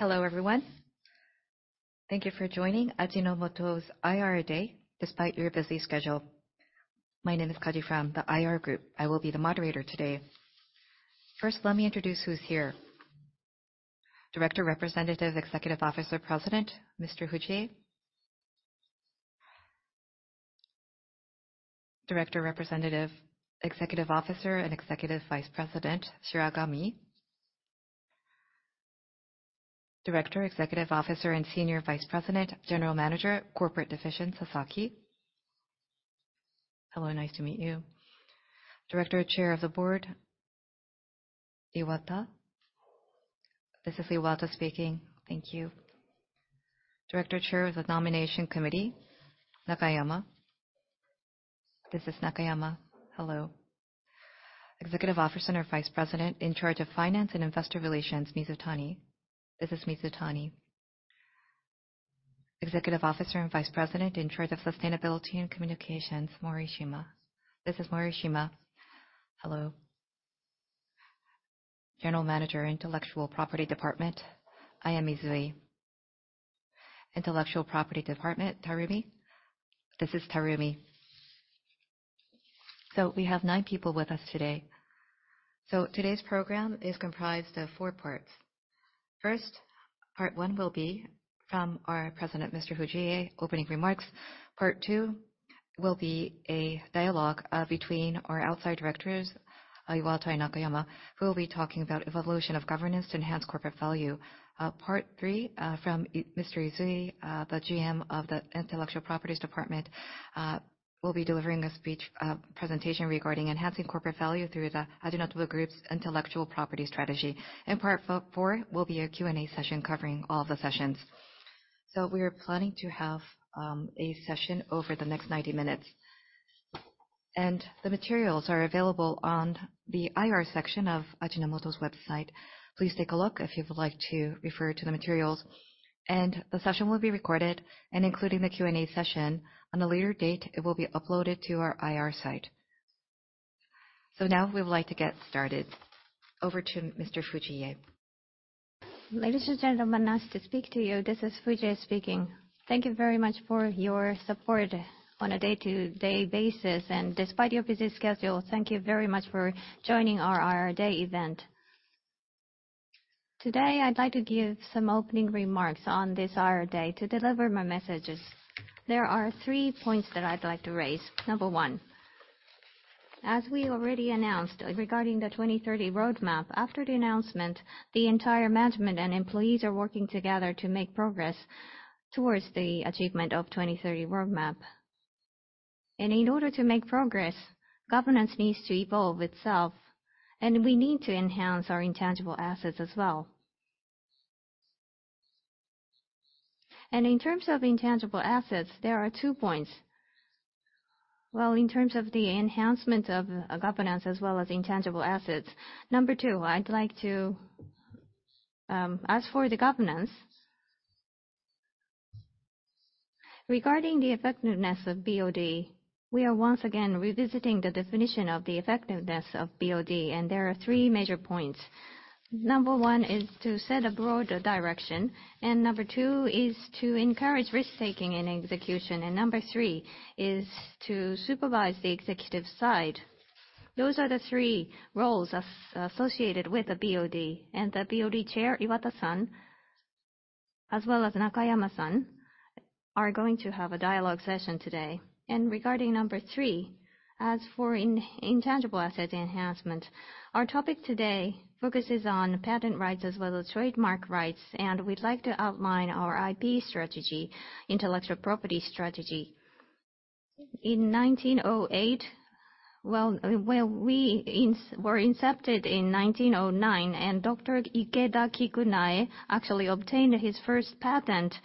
Hello, everyone. Thank you for joining Ajinomoto's IR Day, despite your busy schedule. My name is Kaji from the IR Group. I will be the moderator today. First, let me introduce who's here. Director, Representative Executive Officer, President, Mr. Fujie. Director, Representative, Executive Officer, and Executive Vice President, Shiragami. Director, Executive Officer, and Senior Vice President, General Manager, Corporate Division, Sasaki. Hello, nice to meet you. Director, Chair of the Board, Iwata. This is Iwata speaking. Thank you. Director, Chair of the Nomination Committee, Nakayama. This is Nakayama. Hello. Executive Officer and Vice President in charge of Finance and Investor Relations, Mizutani. This is Mizutani. Executive Officer and Vice President in charge of Sustainability and Communications, Morishima. This is Morishima. Hello. General Manager, Intellectual Property Department. I am Izui. Intellectual Property Department, Tarumi. This is Tarumi. So we have nine people with us today. So today's program is comprised of four parts. First, part one will be from our President, Mr. Fujie, opening remarks. Part two will be a dialogue between our Outside Directors, Iwata and Nakayama, who will be talking about evolution of governance to enhance corporate value. Part three from Mr. Izui, the GM of the Intellectual Properties Department, will be delivering a speech presentation regarding enhancing corporate value through the Ajinomoto Group's intellectual property strategy. Part four will be a Q&A session covering all the sessions. We are planning to have a session over the next 90 minutes. The materials are available on the IR section of Ajinomoto's website. Please take a look if you would like to refer to the materials. The session will be recorded and including the Q&A session. On a later date, it will be uploaded to our IR site. Now we would like to get started. Over to Mr. Fujie. Ladies and gentlemen, nice to speak to you. This is Fujie speaking. Thank you very much for your support on a day-to-day basis, and despite your busy schedule, thank you very much for joining our IR Day event. Today, I'd like to give some opening remarks on this IR day to deliver my messages. There are three points that I'd like to raise. Number one, as we already announced regarding the 2030 Roadmap, after the announcement, the entire management and employees are working together to make progress towards the achievement of 2030 Roadmap. In order to make progress, governance needs to evolve itself, and we need to enhance our intangible assets as well. In terms of intangible assets, there are two points. Well, in terms of the enhancement of governance as well as intangible assets, number two, I'd like to, as for the governance, regarding the effectiveness of BOD, we are once again revisiting the definition of the effectiveness of BOD, and there are three major points. Number one is to set a broader direction, and number two is to encourage risk-taking and execution, and number three is to supervise the executive side. Those are the three roles associated with the BOD, and the BOD Chair, Iwata-san, as well as Nakayama-san, are going to have a dialogue session today. Regarding number three, as for intangible asset enhancement, our topic today focuses on patent rights as well as trademark rights, and we'd like to outline our IP strategy, intellectual property strategy. In 1908, well, we were incepted in 1909, and Dr. Ikeda Kikunae actually obtained his first patent,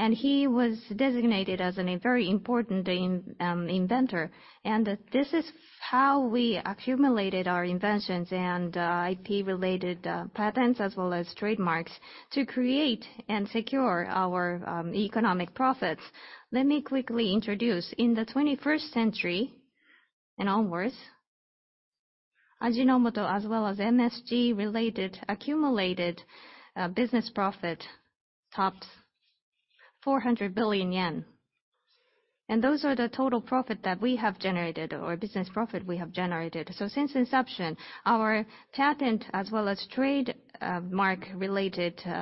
and he was designated as a very important inventor. This is how we accumulated our inventions and IP-related patents as well as trademarks to create and secure our economic profits. Let me quickly introduce. In the 21st century and onwards, Ajinomoto as well as MSG-related accumulated business profit topped 400 billion yen. Those are the total profit that we have generated, or business profit we have generated. Since inception, our patent as well as trademark-related IP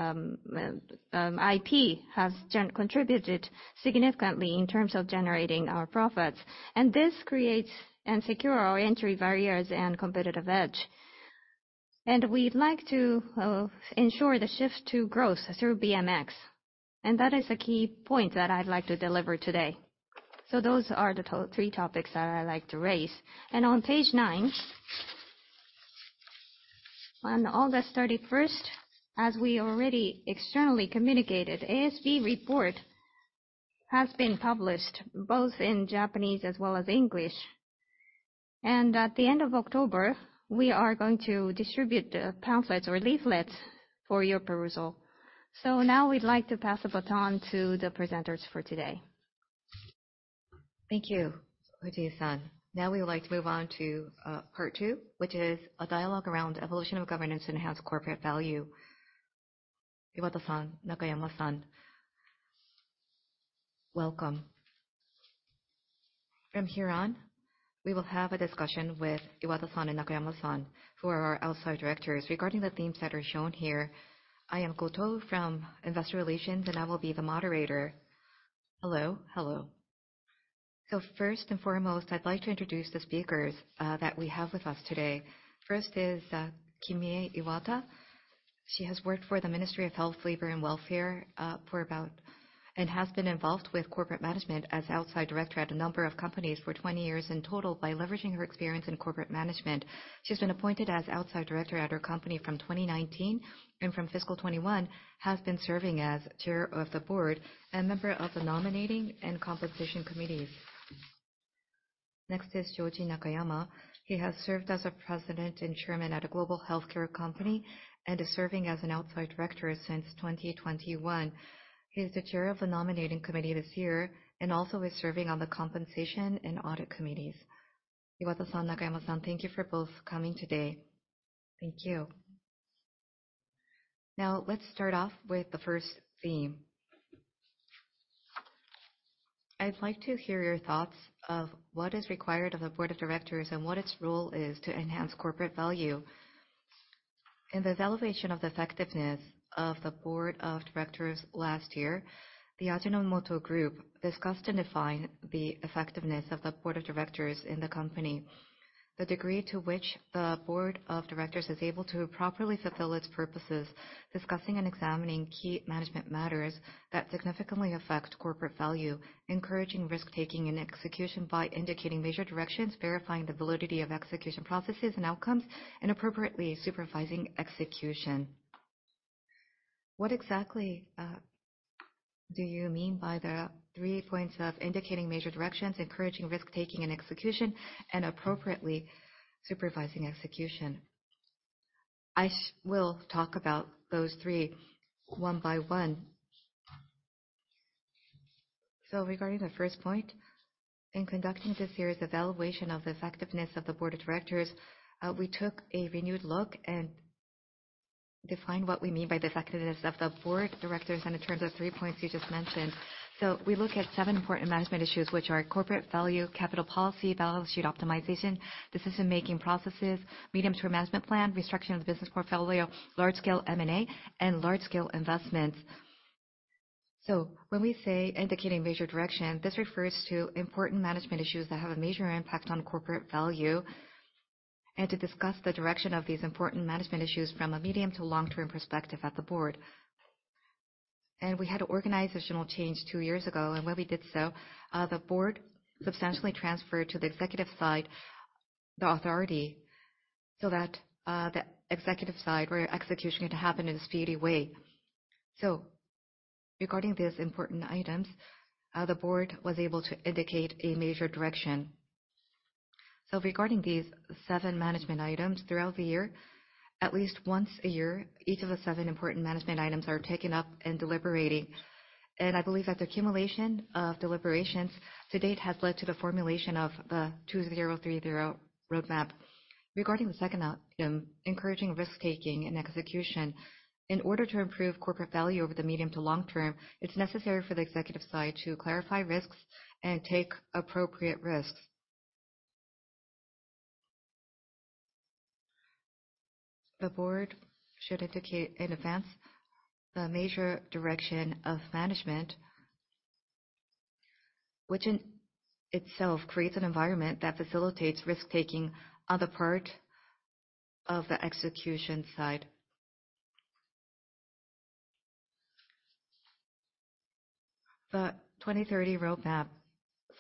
has contributed significantly in terms of generating our profits, and this creates and secure our entry barriers and competitive edge. We'd like to ensure the shift to growth through BMX, and that is a key point that I'd like to deliver today. Those are the three topics that I'd like to raise. On page nine, on August 31st, as we already externally communicated, ASV Report has been published, both in Japanese as well as English. At the end of October, we are going to distribute the pamphlets or leaflets for your perusal. Now we'd like to pass the baton to the presenters for today. Thank you, Fujie-san. Now we would like to move on to part two, which is a dialogue around evolution of governance to enhance corporate value. Iwata-san, Nakayama-san, welcome. From here on, we will have a discussion with Iwata-san and Nakayama-san, who are our Outside Directors, regarding the themes that are shown here. I am Goto from Investor Relations, and I will be the moderator. Hello. Hello. So first and foremost, I'd like to introduce the speakers that we have with us today. First is Kimie Iwata. She has worked for the Ministry of Health, Labor and Welfare for about, and has been involved with corporate management as Outside Director at a number of companies for 20 years in total. By leveraging her experience in corporate management, she's been appointed as Outside Director at our company from 2019, and from fiscal 2021, has been serving as Chair of the Board and member of the Nominating and Compensation Committees. Next is George Nakayama. He has served as a president and chairman at a global healthcare company, and is serving as an Outside Director since 2021. He is the chair of the Nominating Committee this year, and also is serving on the Compensation and Audit Committees. Iwata-san, Nakayama-san, thank you for both coming today. Thank you. Now, let's start off with the first theme. I'd like to hear your thoughts of what is required of a Board of Directors and what its role is to enhance corporate value. In the evaluation of the effectiveness of the Board of Directors last year, the Ajinomoto Group discussed and defined the effectiveness of the Board of Directors in the company. The degree to which the Board of Directors is able to properly fulfill its purposes, discussing and examining key management matters that significantly affect corporate value, encouraging risk-taking and execution by indicating major directions, verifying the validity of execution processes and outcomes, and appropriately supervising execution. What exactly do you mean by the three points of indicating major directions, encouraging risk-taking and execution, and appropriately supervising execution? I will talk about those three one by one. So regarding the first point, in conducting this year's evaluation of the effectiveness of the Board of Directors, we took a renewed look and defined what we mean by the effectiveness of the Board of Directors in terms of three points you just mentioned. So we look at seven important management issues, which are corporate value, capital policy, balance sheet optimization, decision-making processes, medium-term management plan, restructuring of the business portfolio, large-scale M&A, and large-scale investments. So when we say indicating major direction, this refers to important management issues that have a major impact on corporate value, and to discuss the direction of these important management issues from a medium- to long-term perspective at the Board. And we had an organizational change 2 years ago, and when we did so, the Board substantially transferred to the executive side the authority so that the executive side, where execution could happen in a speedy way. So regarding these important items, the Board was able to indicate a major direction. So regarding these 7 management items, throughout the year, at least once a year, each of the seven important management items are taken up and deliberating. And I believe that the accumulation of deliberations to date has led to the formulation of the 2030 Roadmap. Regarding the second item, encouraging risk-taking and execution. In order to improve corporate value over the medium to long term, it's necessary for the executive side to clarify risks and take appropriate risks. The Board should indicate in advance the major direction of management, which in itself creates an environment that facilitates risk-taking on the part of the execution side. The 2030 Roadmap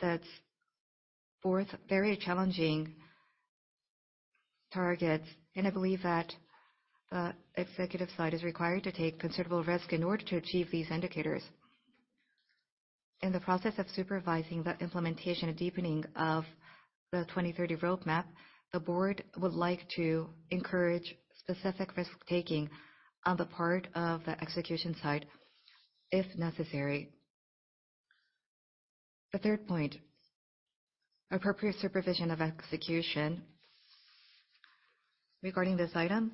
sets forth very challenging targets, and I believe that the executive side is required to take considerable risk in order to achieve these indicators. In the process of supervising the implementation and deepening of the 2030 Roadmap, the Board would like to encourage specific risk-taking on the part of the execution side, if necessary. The third point, appropriate supervision of execution. Regarding this item,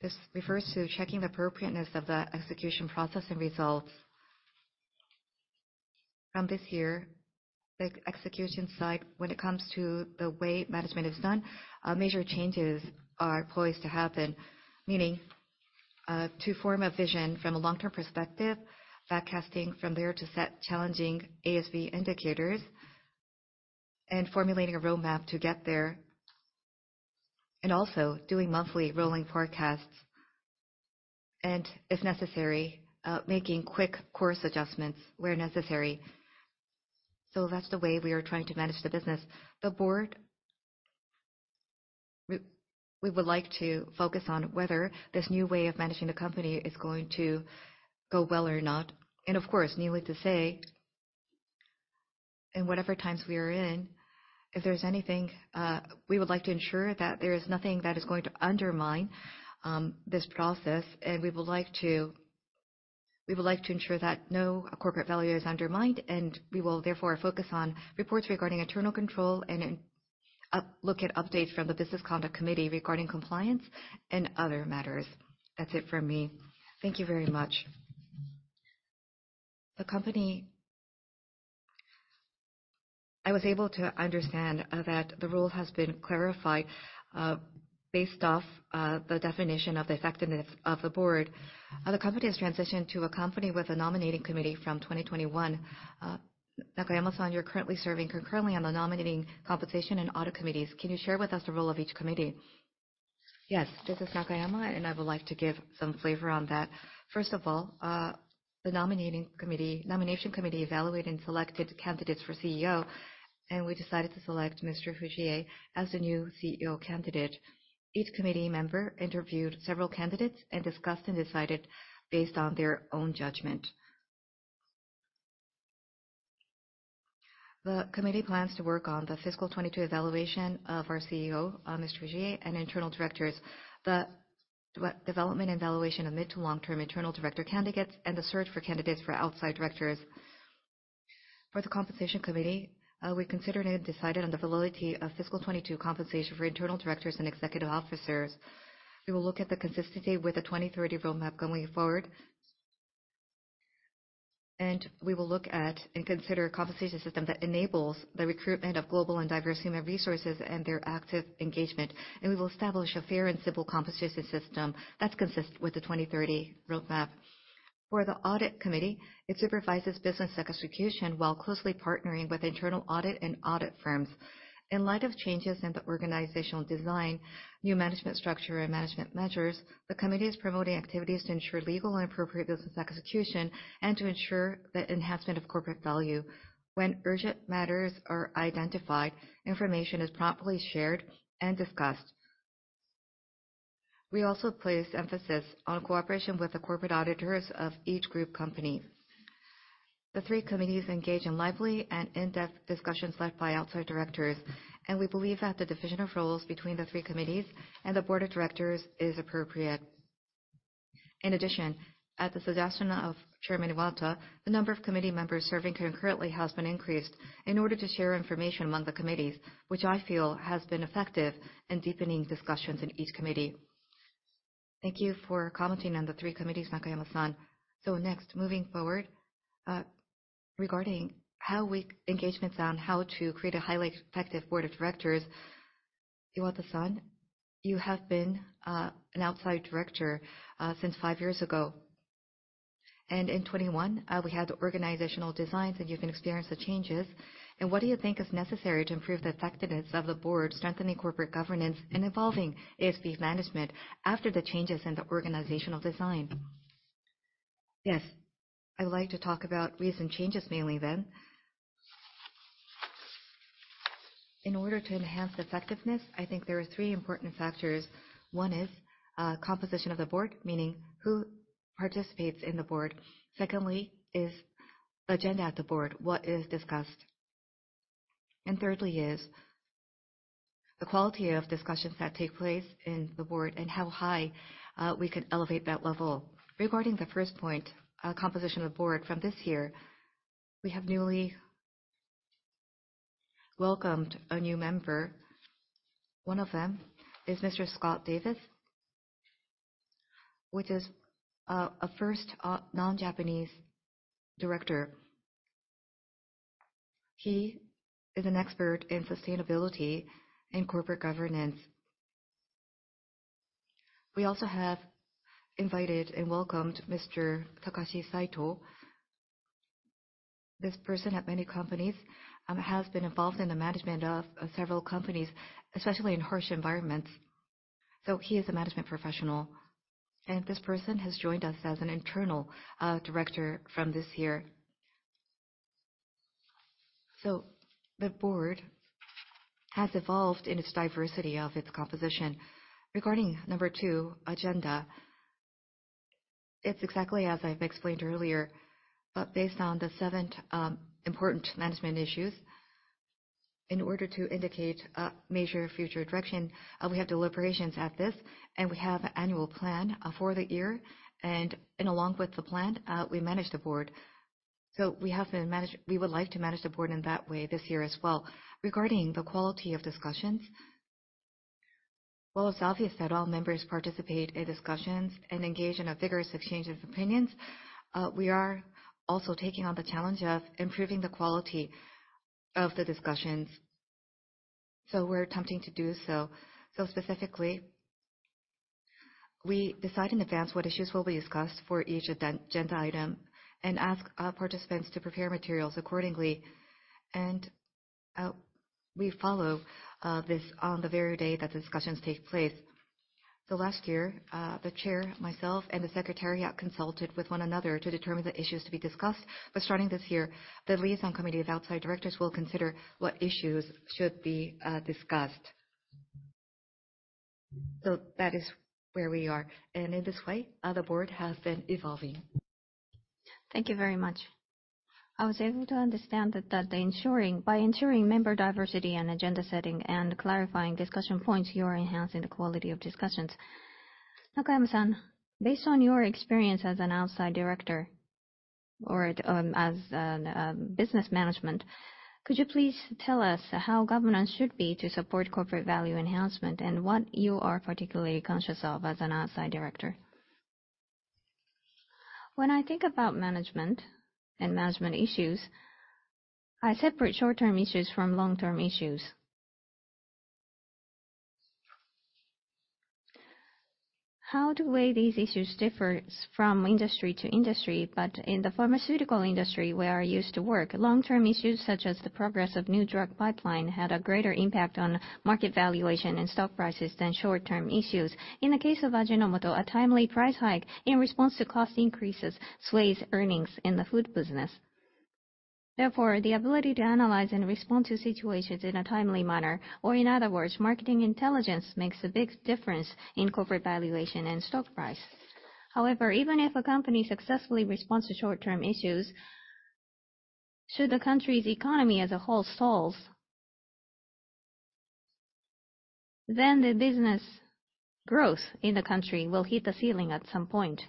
this refers to checking the appropriateness of the execution process and results. From this year, the execution side, when it comes to the way management is done, major changes are poised to happen, meaning, to form a vision from a long-term perspective, backcasting from there to set challenging ASV indicators, and formulating a roadmap to get there, and also doing monthly rolling forecasts, and if necessary, making quick course adjustments where necessary. So that's the way we are trying to manage the business. The Board, we, we would like to focus on whether this new way of managing the company is going to go well or not. And of course, needless to say, in whatever times we are in, if there's anything, we would like to ensure that there is nothing that is going to undermine, this process, and we would like to- We would like to ensure that no corporate value is undermined, and we will therefore focus on reports regarding internal control and in look at updates from the Business Conduct Committee regarding compliance and other matters. That's it from me. Thank you very much. The company, I was able to understand, that the role has been clarified, based off the definition of the effectiveness of the Board. The company has transitioned to a company with a nominating committee from 2021. Nakayama-san, you're currently serving concurrently on the Nominating Compensation and Audit Committees. Can you share with us the role of each committee? Yes, this is Nakayama, and I would like to give some flavor on that. First of all, the Nominating Committee, Nomination Committee evaluate and selected candidates for CEO, and we decided to select Mr. Fujie as the new CEO candidate. Each committee member interviewed several candidates and discussed and decided based on their own judgment. The committee plans to work on the fiscal 2022 evaluation of our CEO, Mr. Fujie, and Internal Directors. The development and evaluation of mid- to long-term Internal Director candidates, and the search for candidates for Outside Directors. For the Compensation Committee, we considered and decided on the validity of fiscal 2022 compensation for Internal Directors and executive officers. We will look at the consistency with the 2030 Roadmap going forward. We will look at and consider a compensation system that enables the recruitment of global and diverse human resources and their active engagement, and we will establish a fair and simple compensation system that's consistent with the 2030 Roadmap. For the Audit Committee, it supervises business execution while closely partnering with internal audit and audit firms. In light of changes in the organizational design, new management structure and management measures, the committee is promoting activities to ensure legal and appropriate business execution and to ensure the enhancement of corporate value. When urgent matters are identified, information is promptly shared and discussed. We also place emphasis on cooperation with the corporate auditors of each group company. The three committees engage in lively and in-depth discussions led by Outside Directors, and we believe that the division of roles between the three committees and the Board of Directors is appropriate. In addition, at the suggestion of Chairman Iwata, the number of committee members serving concurrently has been increased in order to share information among the committees, which I feel has been effective in deepening discussions in each committee. Thank you for commenting on the three committees, Nakayama-san. Next, moving forward, regarding how we engage on how to create a highly effective Board of Directors. Iwata-san, you have been an Outside Director since 5 years ago, and in 2021, we had organizational designs, and you've experienced the changes. What do you think is necessary to improve the effectiveness of the Board, strengthening corporate governance and evolving ASV management after the changes in the organizational design? Yes, I would like to talk about recent changes mainly then. In order to enhance effectiveness, I think there are three important factors. One is composition of the Board, meaning who participates in the Board. Secondly is agenda at the Board, what is discussed. Thirdly is the quality of discussions that take place in the Board, and how high we can elevate that level. Regarding the first point, composition of the Board, from this year, we have newly welcomed a new member. One of them is Mr. Scott Davis, which is a first non-Japanese director. He is an expert in sustainability and corporate governance. We also have invited and welcomed Mr. Takeshi Saito. This person at many companies has been involved in the management of several companies, especially in harsh environments, so he is a management professional, and this person has joined us as an Internal Director from this year. So the Board has evolved in its diversity of its composition. Regarding number two, agenda, it's exactly as I've explained earlier, but based on the seven important management issues. In order to indicate a major future direction, we have deliberations at this, and we have an annual plan for the year, and along with the plan, we manage the Board. So we have been managing the Board in that way this year as well. Regarding the quality of discussions, well, it's obvious that all members participate in discussions and engage in a vigorous exchange of opinions. We are also taking on the challenge of improving the quality of the discussions, so we're attempting to do so. So specifically, we decide in advance what issues will be discussed for each agenda item and ask participants to prepare materials accordingly. And we follow this on the very day that discussions take place. Last year, the Chair, myself, and the secretariat consulted with one another to determine the issues to be discussed. Starting this year, the Liaison Committee with Outside Directors will consider what issues should be discussed. That is where we are, and in this way, the Board has been evolving. Thank you very much. I was able to understand that by ensuring member diversity and agenda setting and clarifying discussion points, you are enhancing the quality of discussions. Nakayama-san, based on your experience as an Outside Director or as business management, could you please tell us how governance should be to support corporate value enhancement, and what you are particularly conscious of as an Outside Director? When I think about management and management issues, I separate short-term issues from long-term issues. How the way these issues differs from industry to industry, but in the pharmaceutical industry, where I used to work, long-term issues such as the progress of new drug pipeline had a greater impact on market valuation and stock prices than short-term issues. In the case of Ajinomoto, a timely price hike in response to cost increases sways earnings in the food business. Therefore, the ability to analyze and respond to situations in a timely manner, or in other words, marketing intelligence, makes a big difference in corporate valuation and stock price. However, even if a company successfully responds to short-term issues, should the country's economy as a whole stalls, then the business growth in the country will hit the ceiling at some point.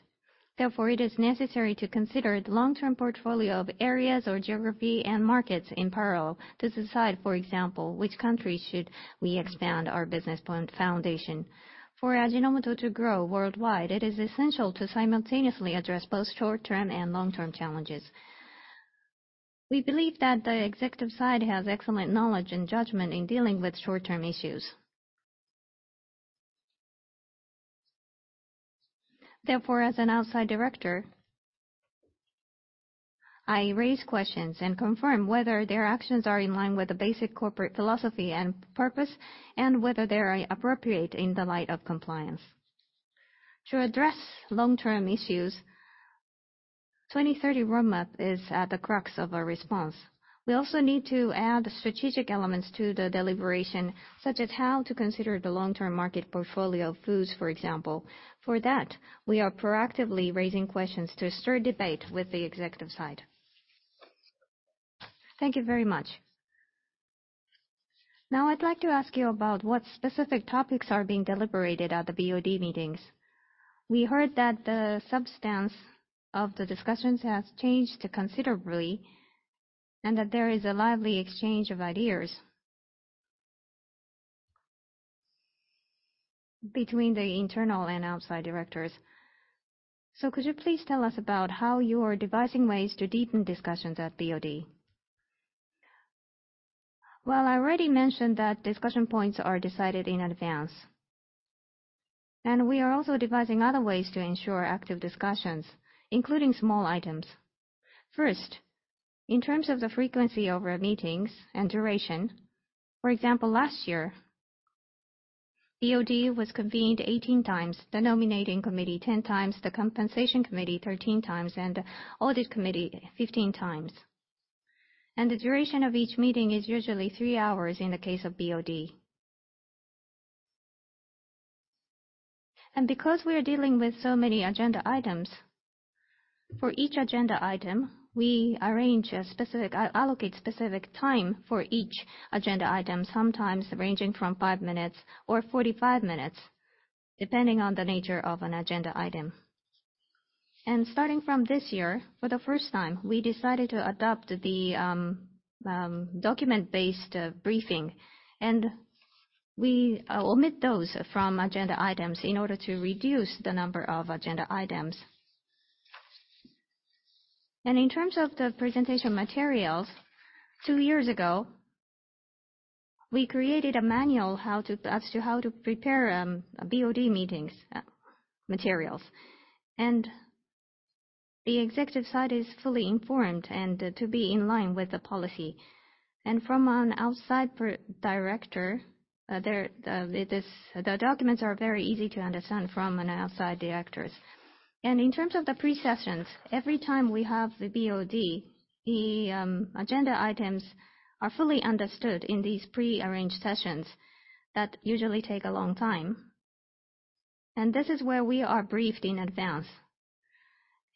Therefore, it is necessary to consider the long-term portfolio of areas or geography and markets in parallel to decide, for example, which countries should we expand our business point foundation. For Ajinomoto to grow worldwide, it is essential to simultaneously address both short-term and long-term challenges. We believe that the executive side has excellent knowledge and judgment in dealing with short-term issues. Therefore, as an Outside Director, I raise questions and confirm whether their actions are in line with the basic corporate philosophy and purpose, and whether they are appropriate in the light of compliance. To address long-term issues, 2030 Roadmap is at the crux of our response. We also need to add strategic elements to the deliberation, such as how to consider the long-term market portfolio of foods, for example. For that, we are proactively raising questions to stir debate with the executive side. Thank you very much. Now, I'd like to ask you about what specific topics are being deliberated at the BOD meetings. We heard that the substance of the discussions has changed considerably, and that there is a lively exchange of ideas between the Internal and Outside Directors. So could you please tell us about how you are devising ways to deepen discussions at BOD? Well, I already mentioned that discussion points are decided in advance, and we are also devising other ways to ensure active discussions, including small items. First, in terms of the frequency of our meetings and duration, for example, last year, BOD was convened 18 times, the Nominating Committee 10 times, the Compensation Committee 13 times, and Audit Committee 15 times. The duration of each meeting is usually 3 hours in the case of BOD. Because we are dealing with so many agenda items, for each agenda item, we allocate specific time for each agenda item, sometimes ranging from 5 minutes or 45 minutes, depending on the nature of an agenda item. Starting from this year, for the first time, we decided to adopt the document-based briefing, and we omit those from agenda items in order to reduce the number of agenda items. In terms of the presentation materials, two years ago, we created a manual as to how to prepare BOD meetings materials. The executive side is fully informed and to be in line with the policy. From an Outside Director, it is. The documents are very easy to understand from an Outside Directors. In terms of the pre-sessions, every time we have the BOD, the agenda items are fully understood in these pre-arranged sessions that usually take a long time. This is where we are briefed in advance.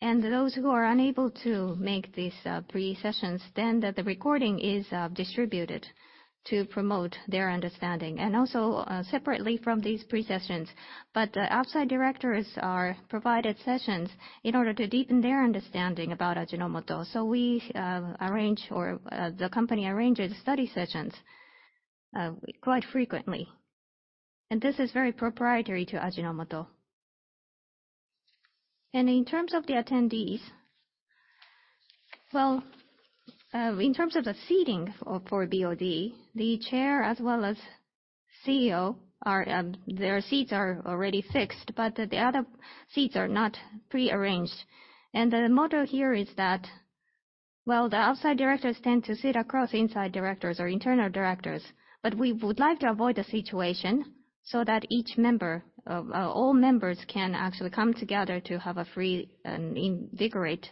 Those who are unable to make these pre-sessions, then the recording is distributed to promote their understanding, and also separately from these pre-sessions. The Outside Directors are provided sessions in order to deepen their understanding about Ajinomoto. We arrange or the company arranges study sessions quite frequently, and this is very proprietary to Ajinomoto. In terms of the attendees, well, in terms of the seating for BOD, the Chair as well as CEO, their seats are already fixed, but the other seats are not pre-arranged. The motto here is that, well, the Outside Directors tend to sit across Inside Directors or Internal Directors, but we would like to avoid a situation so that each member, all members can actually come together to have a free and invigorate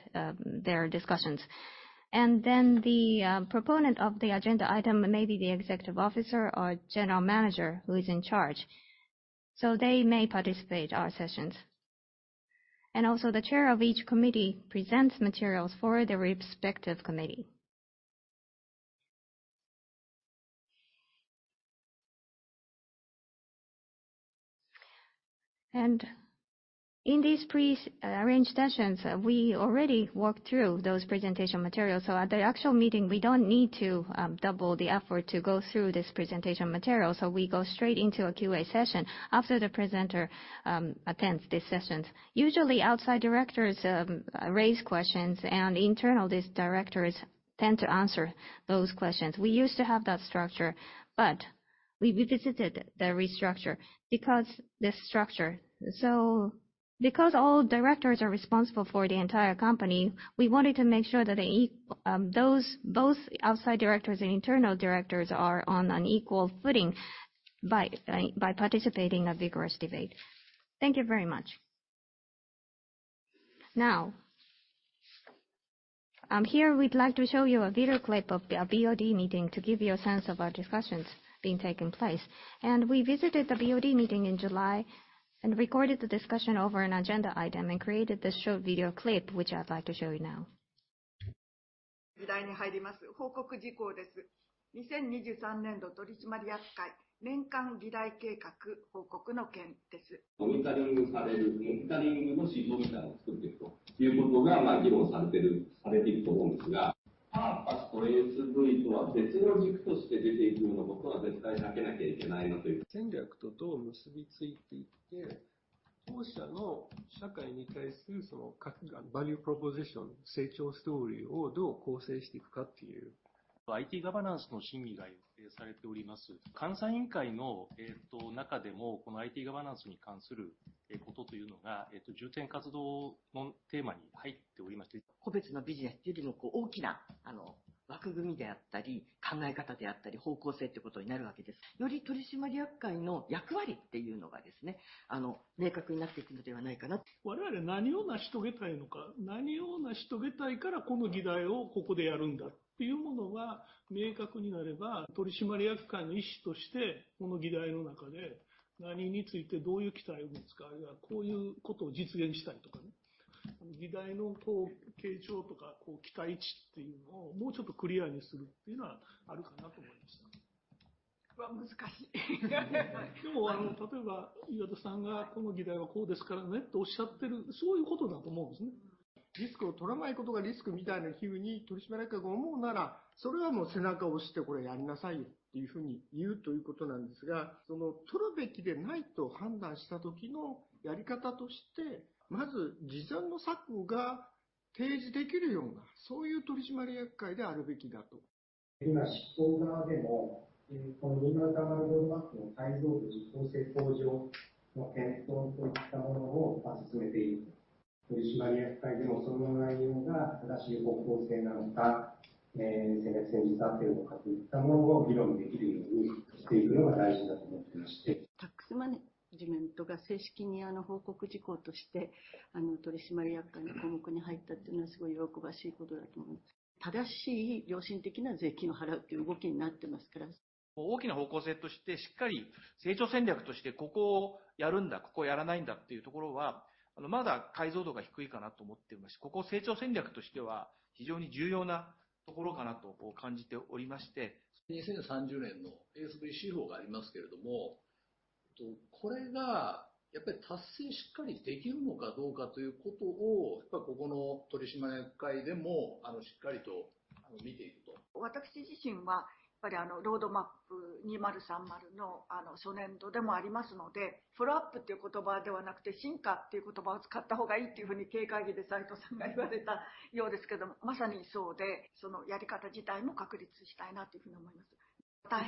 their discussions. The proponent of the agenda item may be the executive officer or general manager who is in charge. They may participate our sessions. Also, the chair of each committee presents materials for the respective committee. In these pre-arranged sessions, we already walked through those presentation materials. At the actual meeting, we don't need to double the effort to go through this presentation material, so we go straight into a QA session after the presenter attends these sessions. Usually, Outside Directors raise questions, and Internal Directors tend to answer those questions. We used to have that structure, but we revisited the restructure because this structure. So because all directors are responsible for the entire company, we wanted to make sure that they, those, both Outside Directors and Internal Directors are on an equal footing by participating in a vigorous debate. Thank you very much. Now, here, we'd like to show you a video clip of a BOD meeting to give you a sense of our discussions being taking place. We visited the BOD meeting in July and recorded the discussion over an agenda item and created this short video clip, which I'd like to show you now. Video Presentation. Iwata-san, could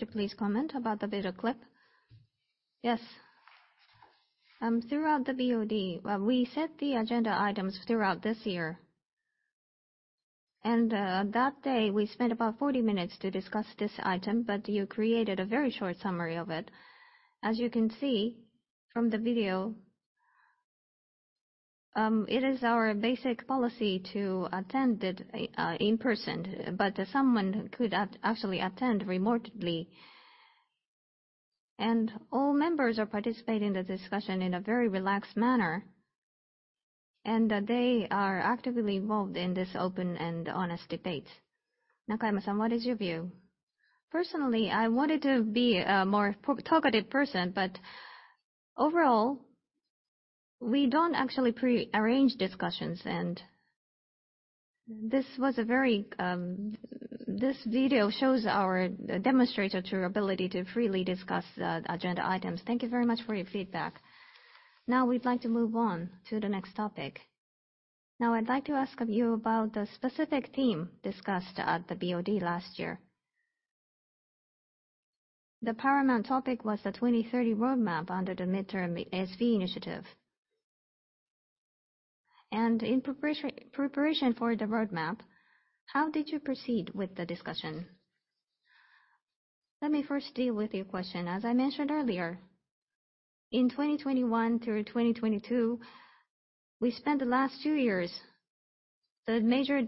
you please comment about the video clip? Yes. Throughout the BOD, we set the agenda items throughout this year. That day, we spent about 40 minutes to discuss this item, but you created a very short summary of it. As you can see from the video, it is our basic policy to attend it, actually, in person, but someone could actually attend remotely. All members are participating in the discussion in a very relaxed manner, and they are actively involved in this open and honest debates. Nakayama-san, what is your view? Personally, I wanted to be a more talkative person, but overall, we don't actually pre-arrange discussions, and this was a very... This video demonstrates our true ability to freely discuss, agenda items. Thank you very much for your feedback. Now, we'd like to move on to the next topic. Now, I'd like to ask of you about the specific theme discussed at the BOD last year. The paramount topic was the 2030 Roadmap under the midterm SV initiative. In preparation for the roadmap, how did you proceed with the discussion? Let me first deal with your question. As I mentioned earlier, in 2021 through 2022, we spent the last two years. The major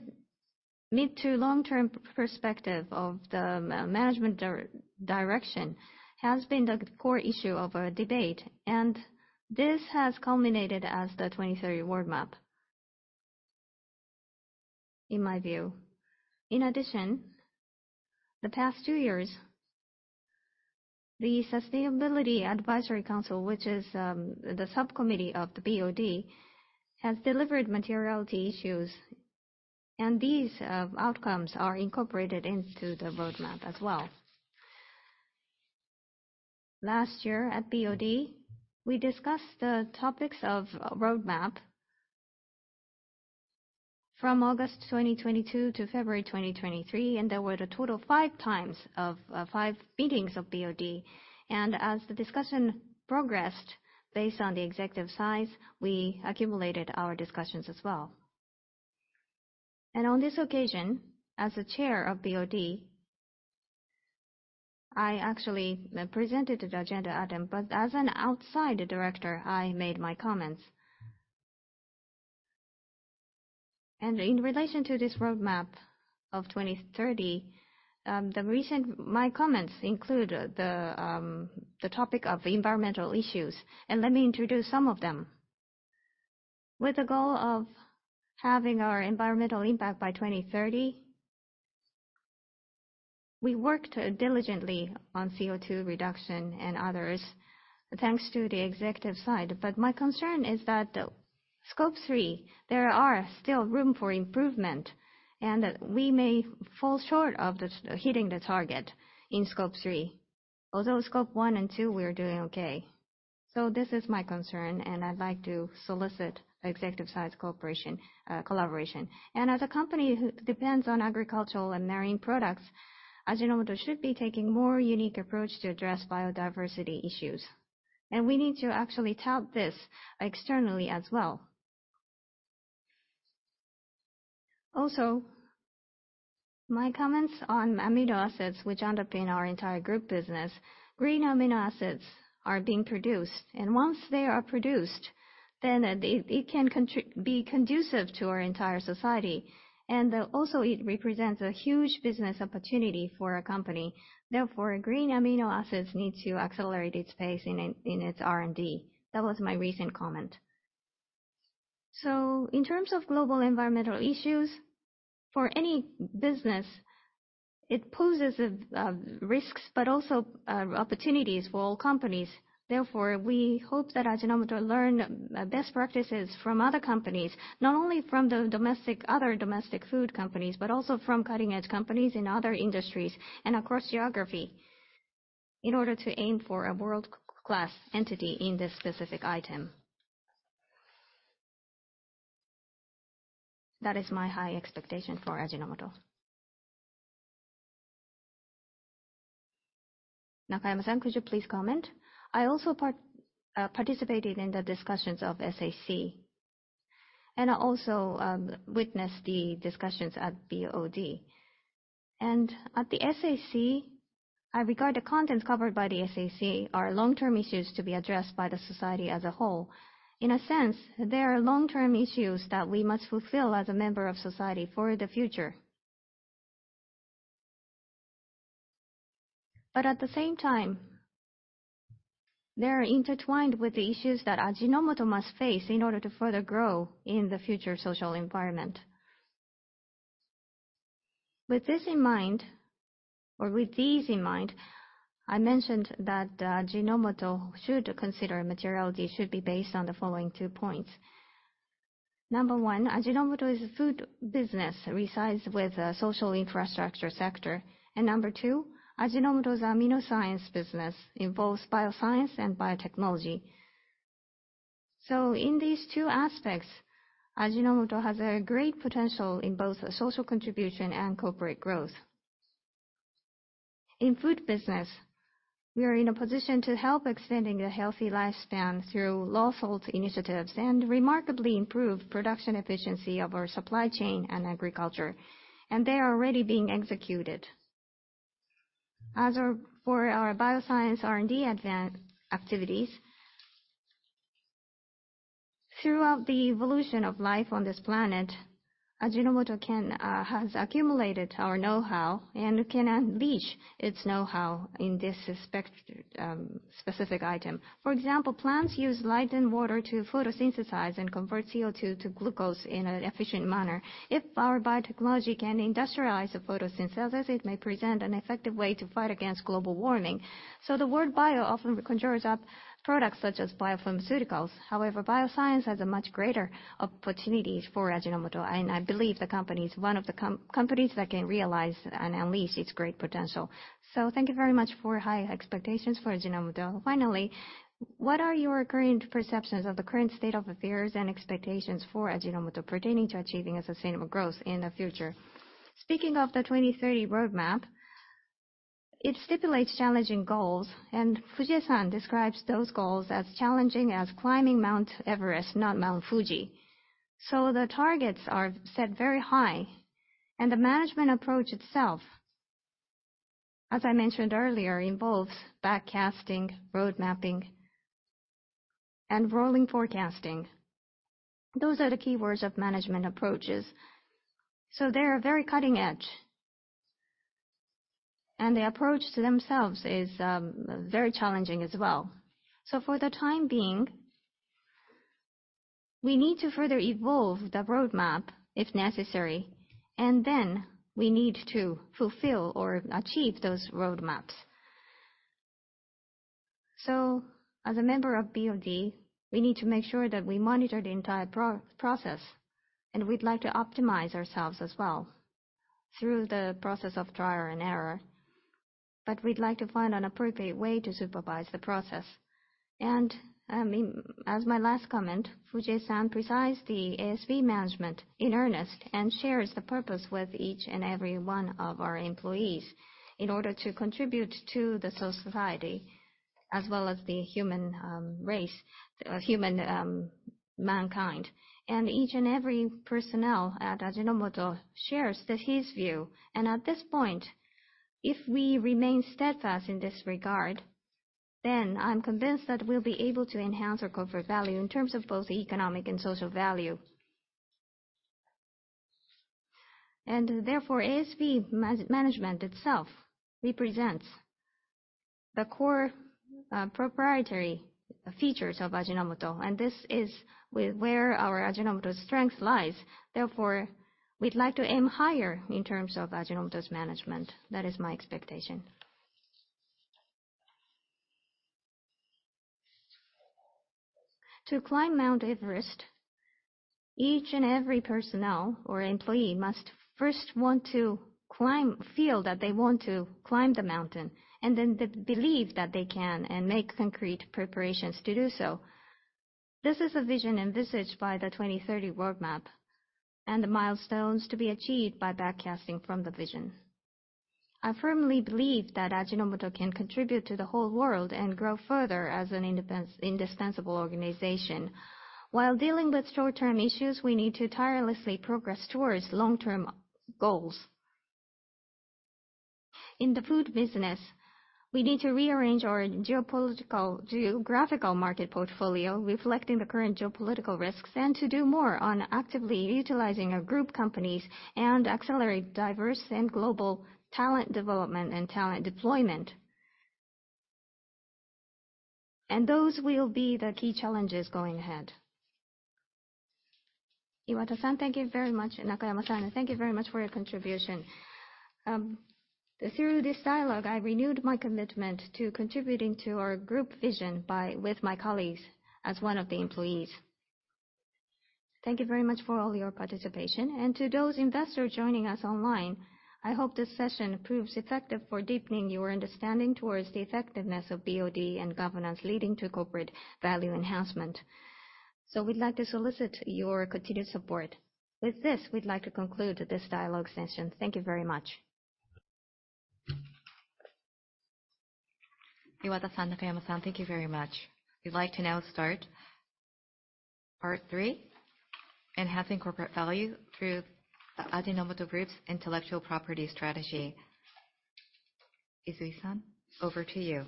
mid- to long-term perspective of the management direction has been the core issue of our debate, and this has culminated as the 2030 Roadmap, in my view. In addition, the past two years, the Sustainability Advisory Council, which is the subcommittee of the BOD, has delivered materiality issues, and these outcomes are incorporated into the roadmap as well. Last year, at BOD, we discussed the topics of roadmap from August 2022 to February 2023, and there were a total of five meetings of BOD. As the discussion progressed, based on the executive sides, we accumulated our discussions as well. On this occasion, as the chair of BOD, I actually presented the agenda item, but as an outside director, I made my comments. In relation to this roadmap of 2030, the recent... My comments include the, the topic of environmental issues, and let me introduce some of them. With the goal of halving our environmental impact by 2030, we worked diligently on CO2 reduction and others, thanks to the executive side. But my concern is that the Scope 3, there are still room for improvement, and we may fall short of hitting the target in Scope 3. Although Scope 1 and 2, we are doing okay. So this is my concern, and I'd like to solicit the executive side's cooperation, collaboration. As a company who depends on agricultural and marine products, Ajinomoto should be taking more unique approach to address biodiversity issues, and we need to actually tout this externally as well. Also, my comments on amino acids, which end up in our entire group business, green amino acids are being produced, and once they are produced, then it can be conducive to our entire society, and also it represents a huge business opportunity for our company. Therefore, green amino acids need to accelerate its pace in its R&D. That was my recent comment. In terms of global environmental issues, for any business, it poses risks but also opportunities for all companies. Therefore, we hope that Ajinomoto learn best practices from other companies, not only from the domestic, other domestic food companies, but also from cutting-edge companies in other industries and across geography, in order to aim for a world-class entity in this specific item. That is my high expectation for Ajinomoto. Nakayama-san, could you please comment? I also participated in the discussions of SAC, and I also witnessed the discussions at BOD. At the SAC, I regard the content covered by the SAC are long-term issues to be addressed by the society as a whole. In a sense, they are long-term issues that we must fulfill as a member of society for the future. But at the same time, they are intertwined with the issues that Ajinomoto must face in order to further grow in the future social environment. With this in mind, or with these in mind, I mentioned that Ajinomoto should consider materiality should be based on the following two points. Number one, Ajinomoto's food business resides with the social infrastructure sector. And number two, Ajinomoto's AminoScience business involves bioscience and biotechnology. So in these two aspects, Ajinomoto has a great potential in both social contribution and corporate growth. In food business, we are in a position to help extending a healthy lifespan through low-salt initiatives and remarkably improve production efficiency of our supply chain and agriculture, and they are already being executed. As for our bioscience R&D advent activities, throughout the evolution of life on this planet, Ajinomoto can has accumulated our know-how and can unleash its know-how in this aspect specific item. For example, plants use light and water to photosynthesize and convert CO2 to glucose in an efficient manner. If our biotechnology can industrialize the photosynthesis, it may present an effective way to fight against global warming. So the word bio often conjures up products such as biopharmaceuticals. However, bioscience has a much greater opportunities for Ajinomoto, and I believe the company is one of the companies that can realize and unleash its great potential. So thank you very much for high expectations for Ajinomoto. Finally, what are your current perceptions of the current state of affairs and expectations for Ajinomoto pertaining to achieving a sustainable growth in the future? Speaking of the 2030 Roadmap. It stipulates challenging goals, and Fujie-san describes those goals as challenging as climbing Mount Everest, not Mount Fuji. So the targets are set very high, and the management approach itself, as I mentioned earlier, involves backcasting, roadmapping, and rolling forecasting. Those are the keywords of management approaches. They are very cutting edge, and the approach to themselves is very challenging as well. For the time being, we need to further evolve the roadmap, if necessary, and then we need to fulfill or achieve those roadmaps. As a member of BOD, we need to make sure that we monitor the entire process, and we'd like to optimize ourselves as well through the process of trial and error. But we'd like to find an appropriate way to supervise the process. As my last comment, Fujie-san presides over the ASV management in earnest and shares the purpose with each and every one of our employees in order to contribute to the society, as well as the human race, mankind. Each and every personnel at Ajinomoto shares this view. At this point, if we remain steadfast in this regard, then I'm convinced that we'll be able to enhance our corporate value in terms of both economic and social value. Therefore, ASV management itself represents the core, proprietary features of Ajinomoto, and this is where our Ajinomoto strength lies. Therefore, we'd like to aim higher in terms of Ajinomoto's management. That is my expectation. To climb Mount Everest, each and every personnel or employee must first want to climb, feel that they want to climb the mountain, and then they believe that they can and make concrete preparations to do so. This is a vision envisaged by the 2030 Roadmap, and the milestones to be achieved by backcasting from the vision. I firmly believe that Ajinomoto can contribute to the whole world and grow further as an indispensable organization. While dealing with short-term issues, we need to tirelessly progress towards long-term goals. In the food business, we need to rearrange our geopolitical, geographical market portfolio, reflecting the current geopolitical risks, and to do more on actively utilizing our group companies and accelerate diverse and global talent development and talent deployment. Those will be the key challenges going ahead. Iwata-san, thank you very much. Nakayama-san, thank you very much for your contribution. Through this dialogue, I renewed my commitment to contributing to our group vision by with my colleagues as one of the employees. Thank you very much for all your participation. To those investors joining us online, I hope this session proves effective for deepening your understanding towards the effectiveness of BOD and governance, leading to corporate value enhancement. We'd like to solicit your continued support. With this, we'd like to conclude this dialogue session. Thank you very much. Iwata-san, Nakayama-san, thank you very much. We'd like to now start part three: Enhancing corporate value through the Ajinomoto Group's intellectual property strategy. Izui-san, over to you.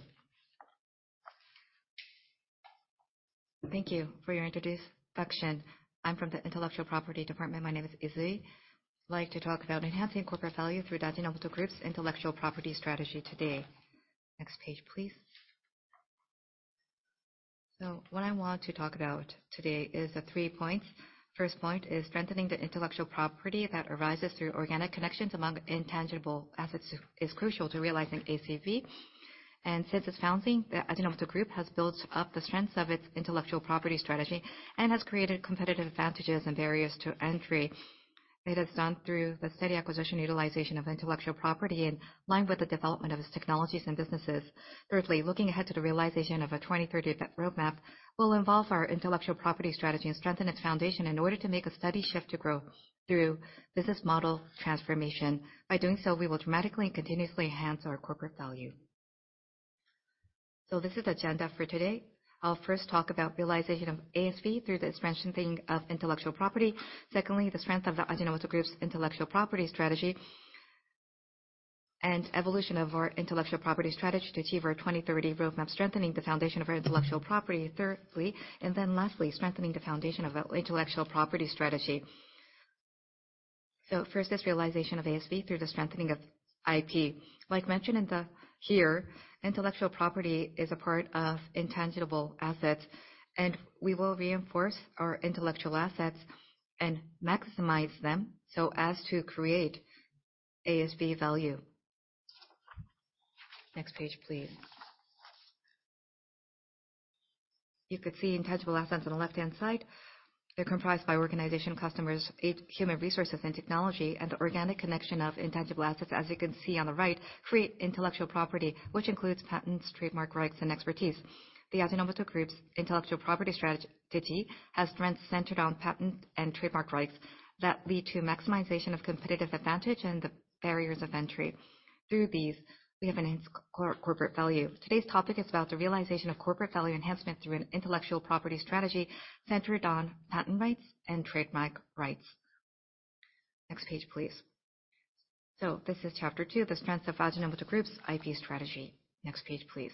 Thank you for your introduction. I'm from the Intellectual Property Department. My name is Izui. I'd like to talk about enhancing corporate value through Ajinomoto Group's intellectual property strategy today. Next page, please. So what I want to talk about today is the three points. First point is strengthening the intellectual property that arises through organic connections among intangible assets is crucial to realizing ASV. And since its founding, the Ajinomoto Group has built up the strengths of its intellectual property strategy and has created competitive advantages and barriers to entry. It has done through the steady acquisition utilization of intellectual property in line with the development of its technologies and businesses. Thirdly, looking ahead to the realization of a 2030 Roadmap will involve our intellectual property strategy and strengthen its foundation in order to make a steady shift to grow through business model transformation. By doing so, we will dramatically and continuously enhance our corporate value. So this is the agenda for today. I'll first talk about realization of ASV through the strengthening of intellectual property. Secondly, the strength of the Ajinomoto Group's intellectual property strategy and evolution of our intellectual property strategy to achieve our 2030 Roadmap, strengthening the foundation of our intellectual property, thirdly. And then lastly, strengthening the foundation of our intellectual property strategy. So first, is realization of ASV through the strengthening of IP. Like mentioned in the, here, intellectual property is a part of intangible assets, and we will reinforce our intellectual assets and maximize them so as to create ASV value. Next page, please. You could see intangible assets on the left-hand side, they're comprised by organization, customers, and human resources, and technology, and the organic connection of intangible assets, as you can see on the right, create intellectual property, which includes patents, trademark rights, and expertise. The Ajinomoto Group's intellectual property strategy has strengths centered on patent and trademark rights that lead to maximization of competitive advantage and the barriers of entry. Through these, we have enhanced corporate value. Today's topic is about the realization of corporate value enhancement through an intellectual property strategy centered on patent rights and trademark rights. Next page, please. So this is chapter two, The Strength of Ajinomoto Group's IP Strategy. Next page, please.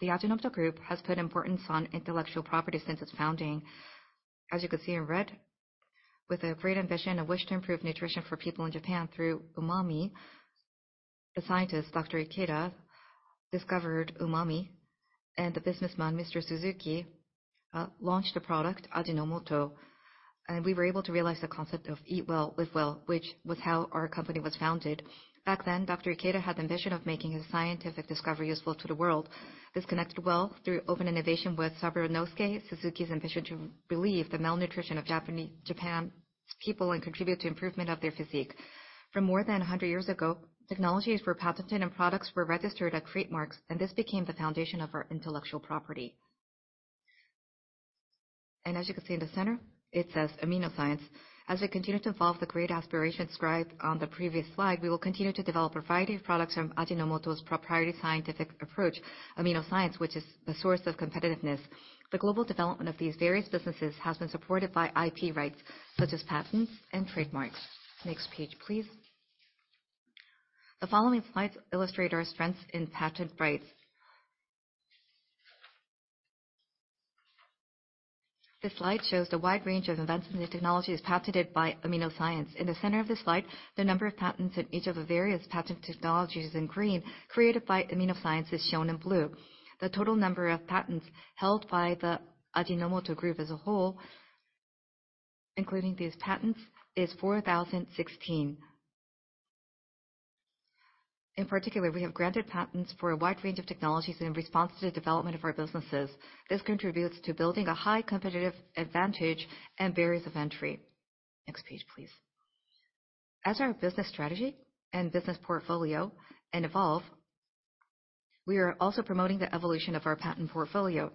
The Ajinomoto Group has put importance on intellectual property since its founding. As you can see in red, with a great ambition and wish to improve nutrition for people in Japan through umami, the scientist, Dr. Ikeda discovered umami, and the businessman, Mr. Suzuki, launched a product, Ajinomoto, and we were able to realize the concept of Eat Well Live Well, which was how our company was founded. Back then, Dr. Ikeda had the ambition of making his scientific discovery useful to the world. This connected well through open innovation with Saburosuke Suzuki's ambition to relieve the malnutrition of Japanese people and contribute to improvement of their physique. More than 100 years ago, technologies were patented and products were registered as trademarks, and this became the foundation of our intellectual property. As you can see in the center, it says AminoScience. As we continue to evolve the great aspiration described on the previous slide, we will continue to develop a variety of products from Ajinomoto's proprietary scientific approach, AminoScience, which is a source of competitiveness. The global development of these various businesses has been supported by IP rights, such as patents and trademarks. Next page, please. The following slides illustrate our strengths in patent rights. This slide shows the wide range of events, and new technology is patented by AminoScience. In the center of the slide, the number of patents in each of the various patent technologies in green, created by AminoScience, is shown in blue. The total number of patents held by the Ajinomoto Group as a whole, including these patents, is 4,016. In particular, we have granted patents for a wide range of technologies in response to the development of our businesses. This contributes to building a high competitive advantage and barriers of entry. Next page, please. As our business strategy and business portfolio, and evolve, we are also promoting the evolution of our patent portfolio.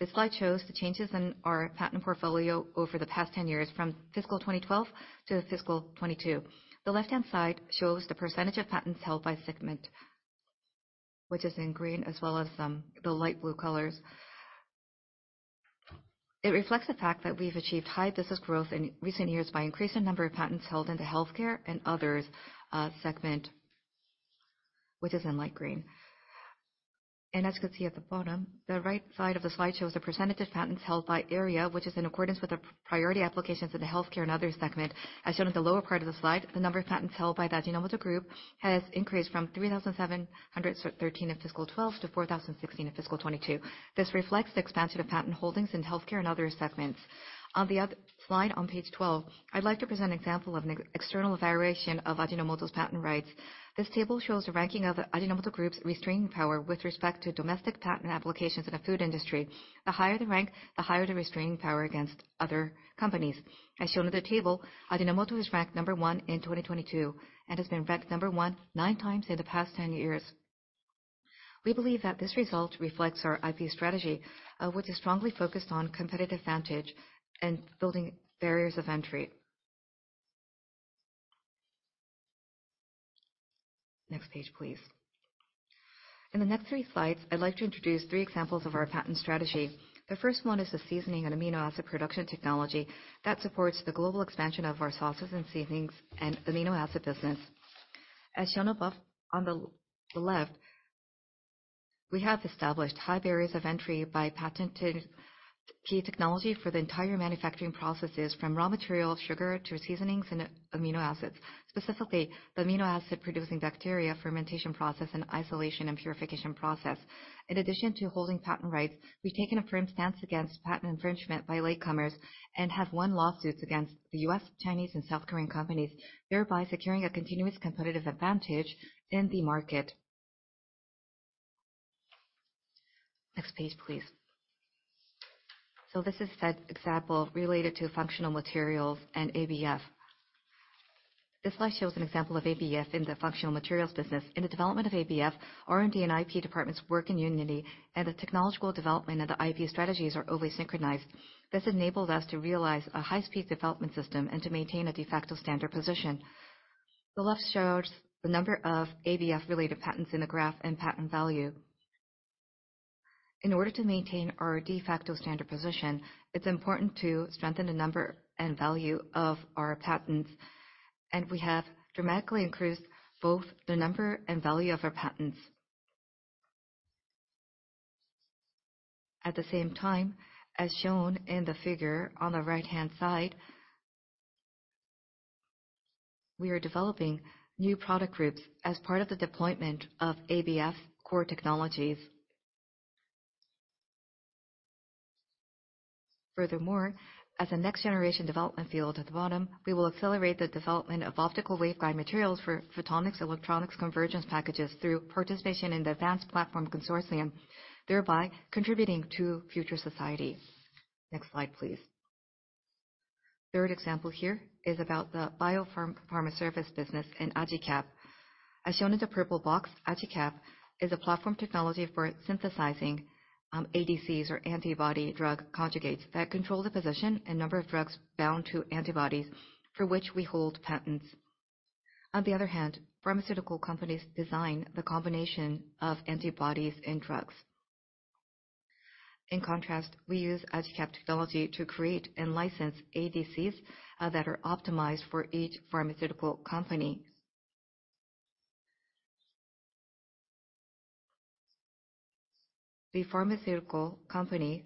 This slide shows the changes in our patent portfolio over the past 10 years, from fiscal 2012 to fiscal 2022. The left-hand side shows the percentage of patents held by segment, which is in green as well as some of the light blue colors. It reflects the fact that we've achieved high business growth in recent years by increasing the number of patents held in the healthcare and others segment, which is in light green. As you can see at the bottom, the right side of the slide shows the percentage of patents held by area, which is in accordance with the priority applications in the healthcare and other segment. As shown in the lower part of the slide, the number of patents held by the Ajinomoto Group has increased from 3,713 in fiscal 2012 to 4,016 in fiscal 2022. This reflects the expansion of patent holdings in healthcare and other segments. On the other slide, on page 12, I'd like to present an example of an external evaluation of Ajinomoto's patent rights. This table shows the ranking of Ajinomoto Group's restraining power with respect to domestic patent applications in the food industry. The higher the rank, the higher the restraining power against other companies. As shown in the table, Ajinomoto is ranked number 1 in 2022 and has been ranked number 1, 9 times in the past 10 years. We believe that this result reflects our IP strategy, which is strongly focused on competitive advantage and building barriers of entry. Next page, please. In the next three slides, I'd like to introduce three examples of our patent strategy. The first one is the seasoning and amino acid production technology that supports the global expansion of our sauces and seasonings and amino acid business. As shown above on the left, we have established high barriers of entry by patenting key technology for the entire manufacturing processes, from raw material sugar to seasonings and amino acids, specifically the amino acid-producing bacteria, fermentation process, and isolation and purification process. In addition to holding patent rights, we've taken a firm stance against patent infringement by latecomers and have won lawsuits against the U.S., Chinese, and South Korean companies, thereby securing a continuous competitive advantage in the market. Next page, please. So this is an example related to Functional Materials and ABF. This slide shows an example of ABF in the Functional Materials business. In the development of ABF, R&D, and IP departments work in unity, and the technological development and the IP strategies are overly synchronized. This enables us to realize a high-speed development system and to maintain a de facto standard position. The left shows the number of ABF-related patents in the graph and patent value. In order to maintain our de facto standard position, it's important to strengthen the number and value of our patents, and we have dramatically increased both the number and value of our patents. At the same time, as shown in the figure on the right-hand side, we are developing new product groups as part of the deployment of ABF core technologies. Furthermore, as a next-generation development field at the bottom, we will accelerate the development of optical waveguide materials for Photonics-Electronics Convergence packages through participation in the Advanced Platform Consortium, thereby contributing to future society. Next slide, please. Third example here is about the Bio-Pharma Services business in AJICAP. As shown in the purple box, AJICAP is a platform technology for synthesizing ADCs or antibody drug conjugates that control the position and number of drugs bound to antibodies for which we hold patents. On the other hand, pharmaceutical companies design the combination of antibodies and drugs. In contrast, we use AJICAP technology to create and license ADCs that are optimized for each pharmaceutical company. The pharmaceutical company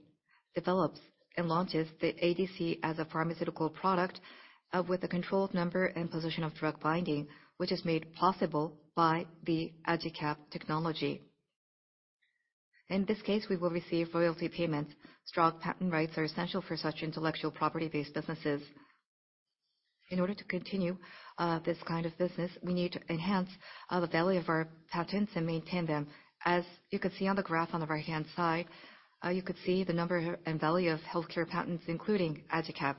develops and launches the ADC as a pharmaceutical product with a controlled number and position of drug binding, which is made possible by the AJICAP technology. In this case, we will receive royalty payments. Strong patent rights are essential for such intellectual property-based businesses. In order to continue this kind of business, we need to enhance the value of our patents and maintain them. As you can see on the graph on the right-hand side, you could see the number and value of healthcare patents, including AJICAP.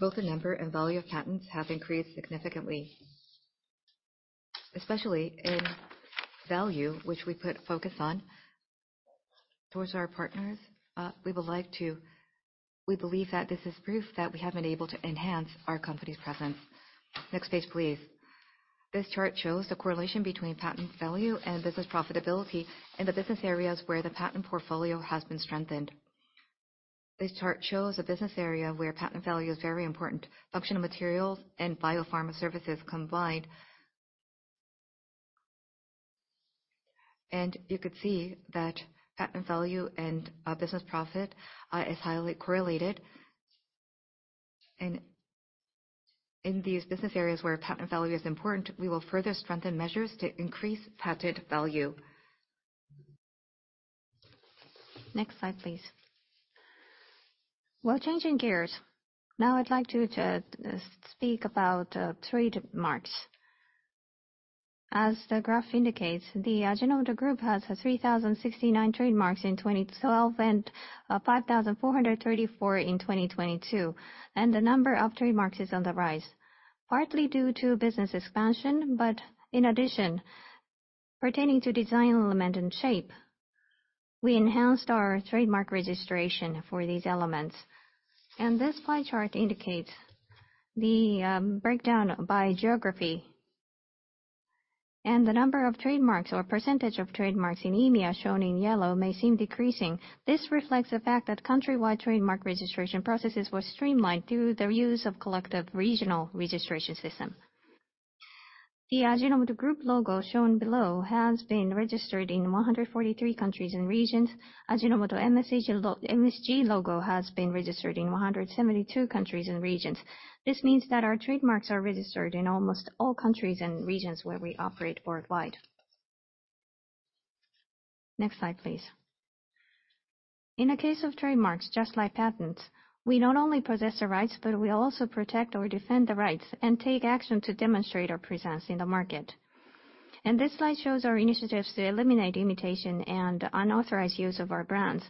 Both the number and value of patents have increased significantly, especially in value, which we put focus on. Towards our partners, we would like to. We believe that this is proof that we have been able to enhance our company's presence. Next page, please. This chart shows the correlation between patent value and business profitability in the business areas where the patent portfolio has been strengthened. This chart shows a business area where patent value is very important, Functional Materials and Bio-Pharma Services combined. And you could see that patent value and business profit is highly correlated. In these business areas where patent value is important, we will further strengthen measures to increase patented value. Next slide, please. Well, changing gears, now I'd like to speak about trademarks. As the graph indicates, the Ajinomoto Group has 3,069 trademarks in 2012 and 5,434 in 2022. The number of trademarks is on the rise, partly due to business expansion, but in addition, pertaining to design element and shape, we enhanced our trademark registration for these elements. This pie chart indicates the breakdown by geography. The number of trademarks or percentage of trademarks in EMEA, shown in yellow, may seem decreasing. This reflects the fact that country-wide trademark registration processes were streamlined through the use of collective regional registration system. The Ajinomoto Group logo, shown below, has been registered in 143 countries and regions. Ajinomoto MSG, MSG logo has been registered in 172 countries and regions. This means that our trademarks are registered in almost all countries and regions where we operate worldwide. Next slide, please. In the case of trademarks, just like patents, we not only possess the rights, but we also protect or defend the rights and take action to demonstrate our presence in the market. This slide shows our initiatives to eliminate imitation and unauthorized use of our brands.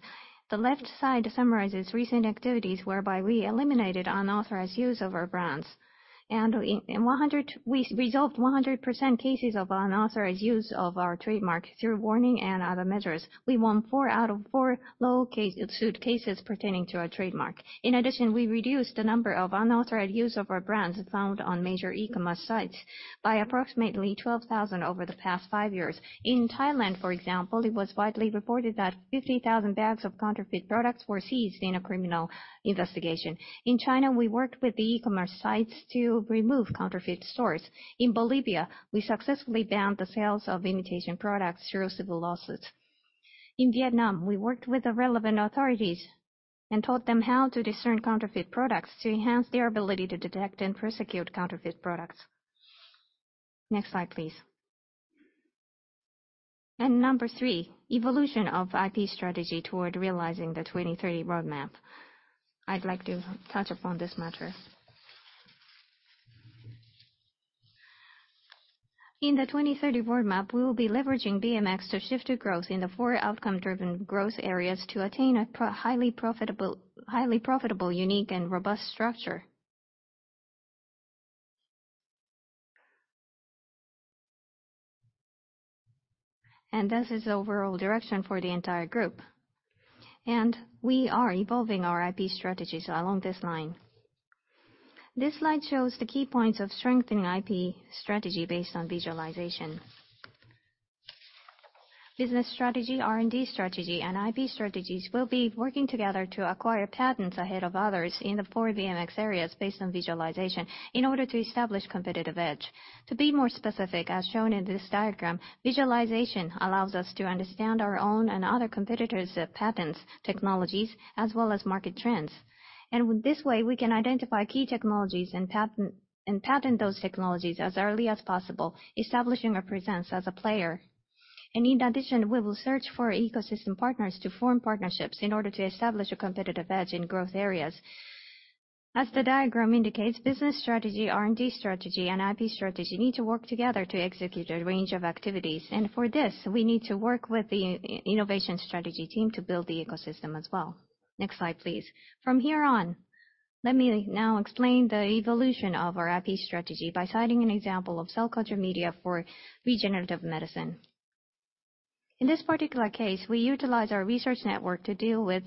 The left side summarizes recent activities whereby we eliminated unauthorized use of our brands. We resolved 100% cases of unauthorized use of our trademark through warning and other measures. We won 4 out of 4 lawsuit cases pertaining to our trademark. In addition, we reduced the number of unauthorized use of our brands found on major e-commerce sites by approximately 12,000 over the past 5 years. In Thailand, for example, it was widely reported that 50,000 bags of counterfeit products were seized in a criminal investigation. In China, we worked with the e-commerce sites to remove counterfeit stores. In Bolivia, we successfully banned the sales of imitation products through civil lawsuits. In Vietnam, we worked with the relevant authorities and taught them how to discern counterfeit products to enhance their ability to detect and prosecute counterfeit products. Next slide, please. Number three, evolution of IP strategy toward realizing the 2030 Roadmap. I'd like to touch upon this matter. In the 2030 Roadmap, we will be leveraging BMX to shift to growth in the four outcome-driven growth areas to attain a pro- highly profitable, highly profitable, unique, and robust structure. This is the overall direction for the entire group, and we are evolving our IP strategies along this line. This slide shows the key points of strengthening IP strategy based on visualization. Business strategy, R&D strategy, and IP strategies will be working together to acquire patents ahead of others in the four BMX areas based on visualization in order to establish competitive edge. To be more specific, as shown in this diagram, visualization allows us to understand our own and other competitors' patents, technologies, as well as market trends. With this way, we can identify key technologies and patent, and patent those technologies as early as possible, establishing a presence as a player. In addition, we will search for ecosystem partners to form partnerships in order to establish a competitive edge in growth areas. As the diagram indicates, business strategy, R&D strategy, and IP strategy need to work together to execute a range of activities. For this, we need to work with the innovation strategy team to build the ecosystem as well. Next slide, please. From here on, let me now explain the evolution of our IP strategy by citing an example of cell culture media for regenerative medicine. In this particular case, we utilize our research network to deal with,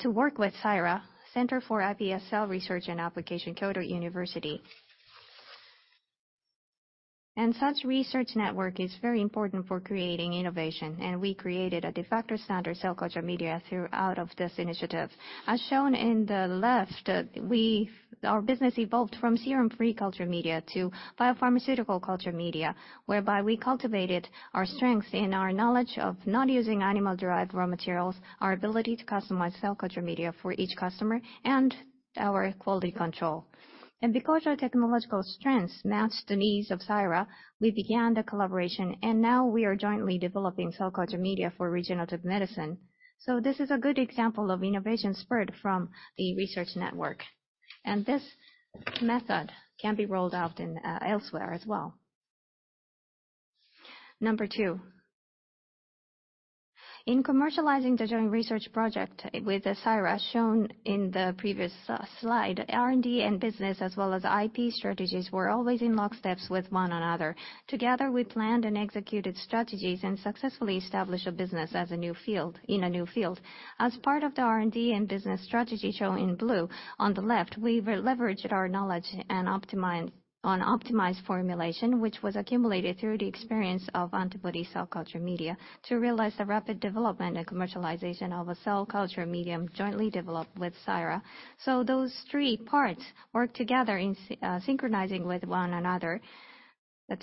to work with CiRA, Center for iPS Cell Research and Application, Kyoto University. Such research network is very important for creating innovation, and we created a de facto standard cell culture media through this initiative. As shown on the left, we've our business evolved from serum-free culture media to biopharmaceutical culture media, whereby we cultivated our strength and our knowledge of not using animal-derived raw materials, our ability to customize cell culture media for each customer, and our quality control. Because our technological strengths matched the needs of CiRA, we began the collaboration, and now we are jointly developing cell culture media for regenerative medicine. This is a good example of innovation spurred from the research network, and this method can be rolled out in elsewhere as well. Number two, in commercializing the joint research project with the CiRA, shown in the previous slide, R&D and business, as well as IP strategies, were always in lockstep with one another. Together, we planned and executed strategies and successfully established a business as a new field, in a new field. As part of the R&D and business strategy shown in blue, on the left, we leveraged our knowledge and optimized formulation, which was accumulated through the experience of antibody cell culture media, to realize the rapid development and commercialization of a cell culture medium jointly developed with CiRA. So those three parts work together in synchronizing with one another,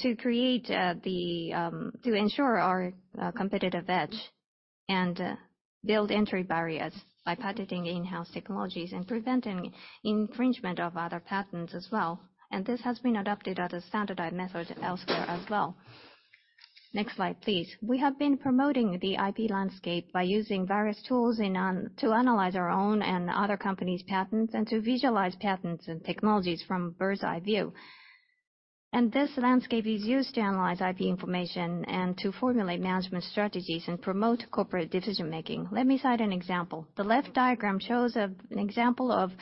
to create, to ensure our competitive edge and build entry barriers by patenting in-house technologies and preventing infringement of other patents as well. This has been adopted as a standardized method elsewhere as well. Next slide, please. We have been promoting the IP Landscape by using various tools and to analyze our own and other companies' patents, and to visualize patents and technologies from a bird's-eye view. This landscape is used to analyze IP information and to formulate management strategies and promote corporate decision-making. Let me cite an example. The left diagram shows an example of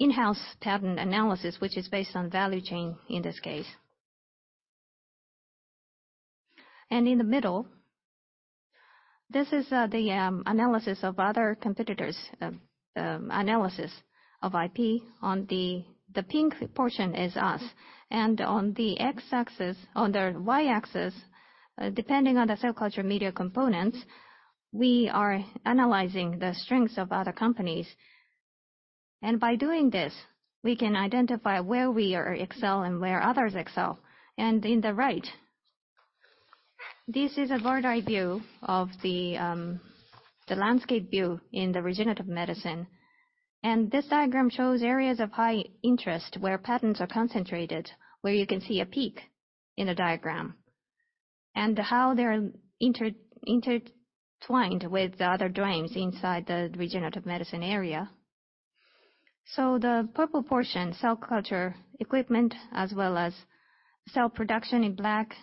in-house patent analysis, which is based on value chain, in this case. In the middle, this is the analysis of other competitors, analysis of IP. On the pink portion is us, and on the X-axis, on the Y-axis, depending on the cell culture media components, we are analyzing the strengths of other companies. And by doing this, we can identify where we are excel and where others excel. In the right, this is a bird's-eye view of the landscape view in the regenerative medicine. This diagram shows areas of high interest, where patents are concentrated, where you can see a peak in the diagram, and how they're intertwined with the other domains inside the regenerative medicine area. So the purple portion, cell culture equipment, as well as cell production in black,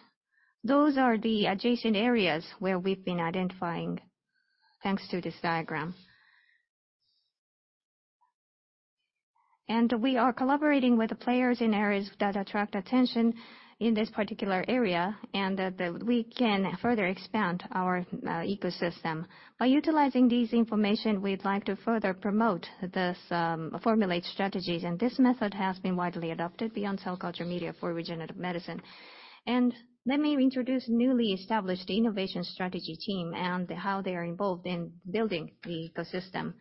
those are the adjacent areas where we've been identifying, thanks to this diagram. We are collaborating with the players in areas that attract attention in this particular area, and we can further expand our ecosystem. By utilizing this information, we'd like to further promote this, formulate strategies, and this method has been widely adopted beyond cell culture media for regenerative medicine. Let me introduce newly established innovation strategy team, and how they are involved in building the ecosystem.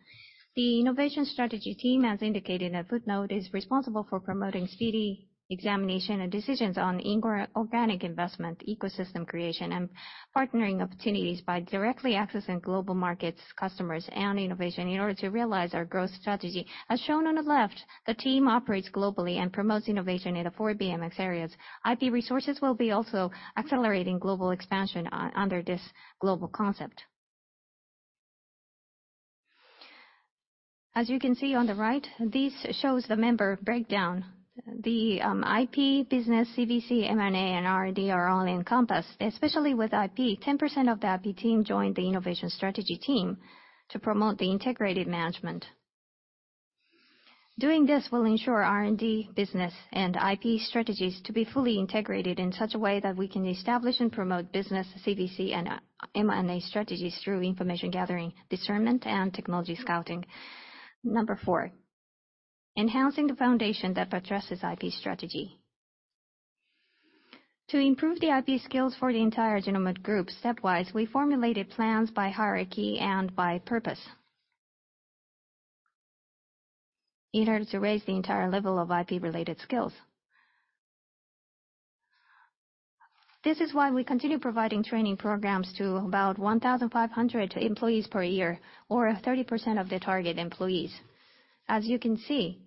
The innovation strategy team, as indicated in the footnote, is responsible for promoting speedy examination and decisions on inorganic investment, ecosystem creation, and partnering opportunities by directly accessing global markets, customers, and innovation in order to realize our growth strategy. As shown on the left, the team operates globally and promotes innovation in the four BMX areas. IP resources will be also accelerating global expansion under this global concept. As you can see on the right, this shows the member breakdown. The IP, business, CVC, M&A, and R&D are all encompassed. Especially with IP, 10% of the IP team joined the innovation strategy team to promote the integrated management. Doing this will ensure R&D, business, and IP strategies to be fully integrated in such a way that we can establish and promote business, CVC, and M&A strategies through information gathering, discernment, and technology scouting. Number four, enhancing the foundation that addresses IP strategy. To improve the IP skills for the entire Ajinomoto Group stepwise, we formulated plans by hierarchy and by purpose in order to raise the entire level of IP-related skills. This is why we continue providing training programs to about 1,500 employees per year, or 30% of the target employees. As you can see,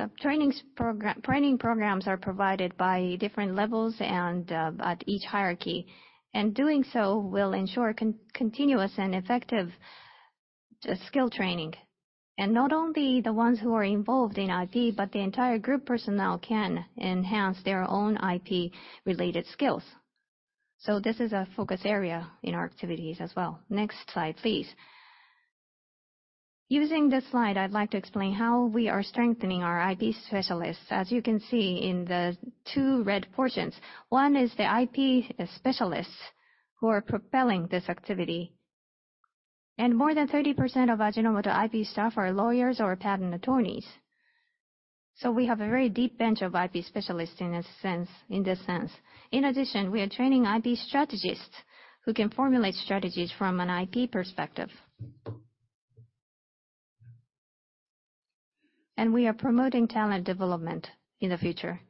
the training programs are provided by different levels and at each hierarchy. And doing so will ensure continuous and effective skill training. And not only the ones who are involved in IP, but the entire group personnel can enhance their own IP-related skills. So this is a focus area in our activities as well. Next slide, please. Using this slide, I'd like to explain how we are strengthening our IP specialists. As you can see in the two red portions, one is the IP specialists who are propelling this activity. More than 30% of Ajinomoto IP staff are lawyers or patent attorneys. We have a very deep bench of IP specialists in a sense, in this sense. In addition, we are training IP strategists who can formulate strategies from an IP perspective. We are promoting talent development in the future.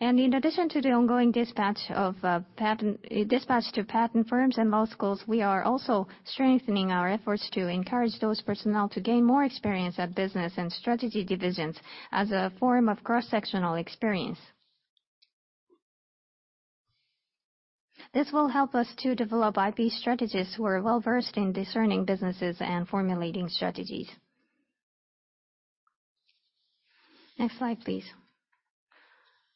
In addition to the ongoing dispatch of, patent, dispatch to patent firms and law schools, we are also strengthening our efforts to encourage those personnel to gain more experience at business and strategy divisions as a form of cross-sectional experience. This will help us to develop IP strategists who are well-versed in discerning businesses and formulating strategies. Next slide, please.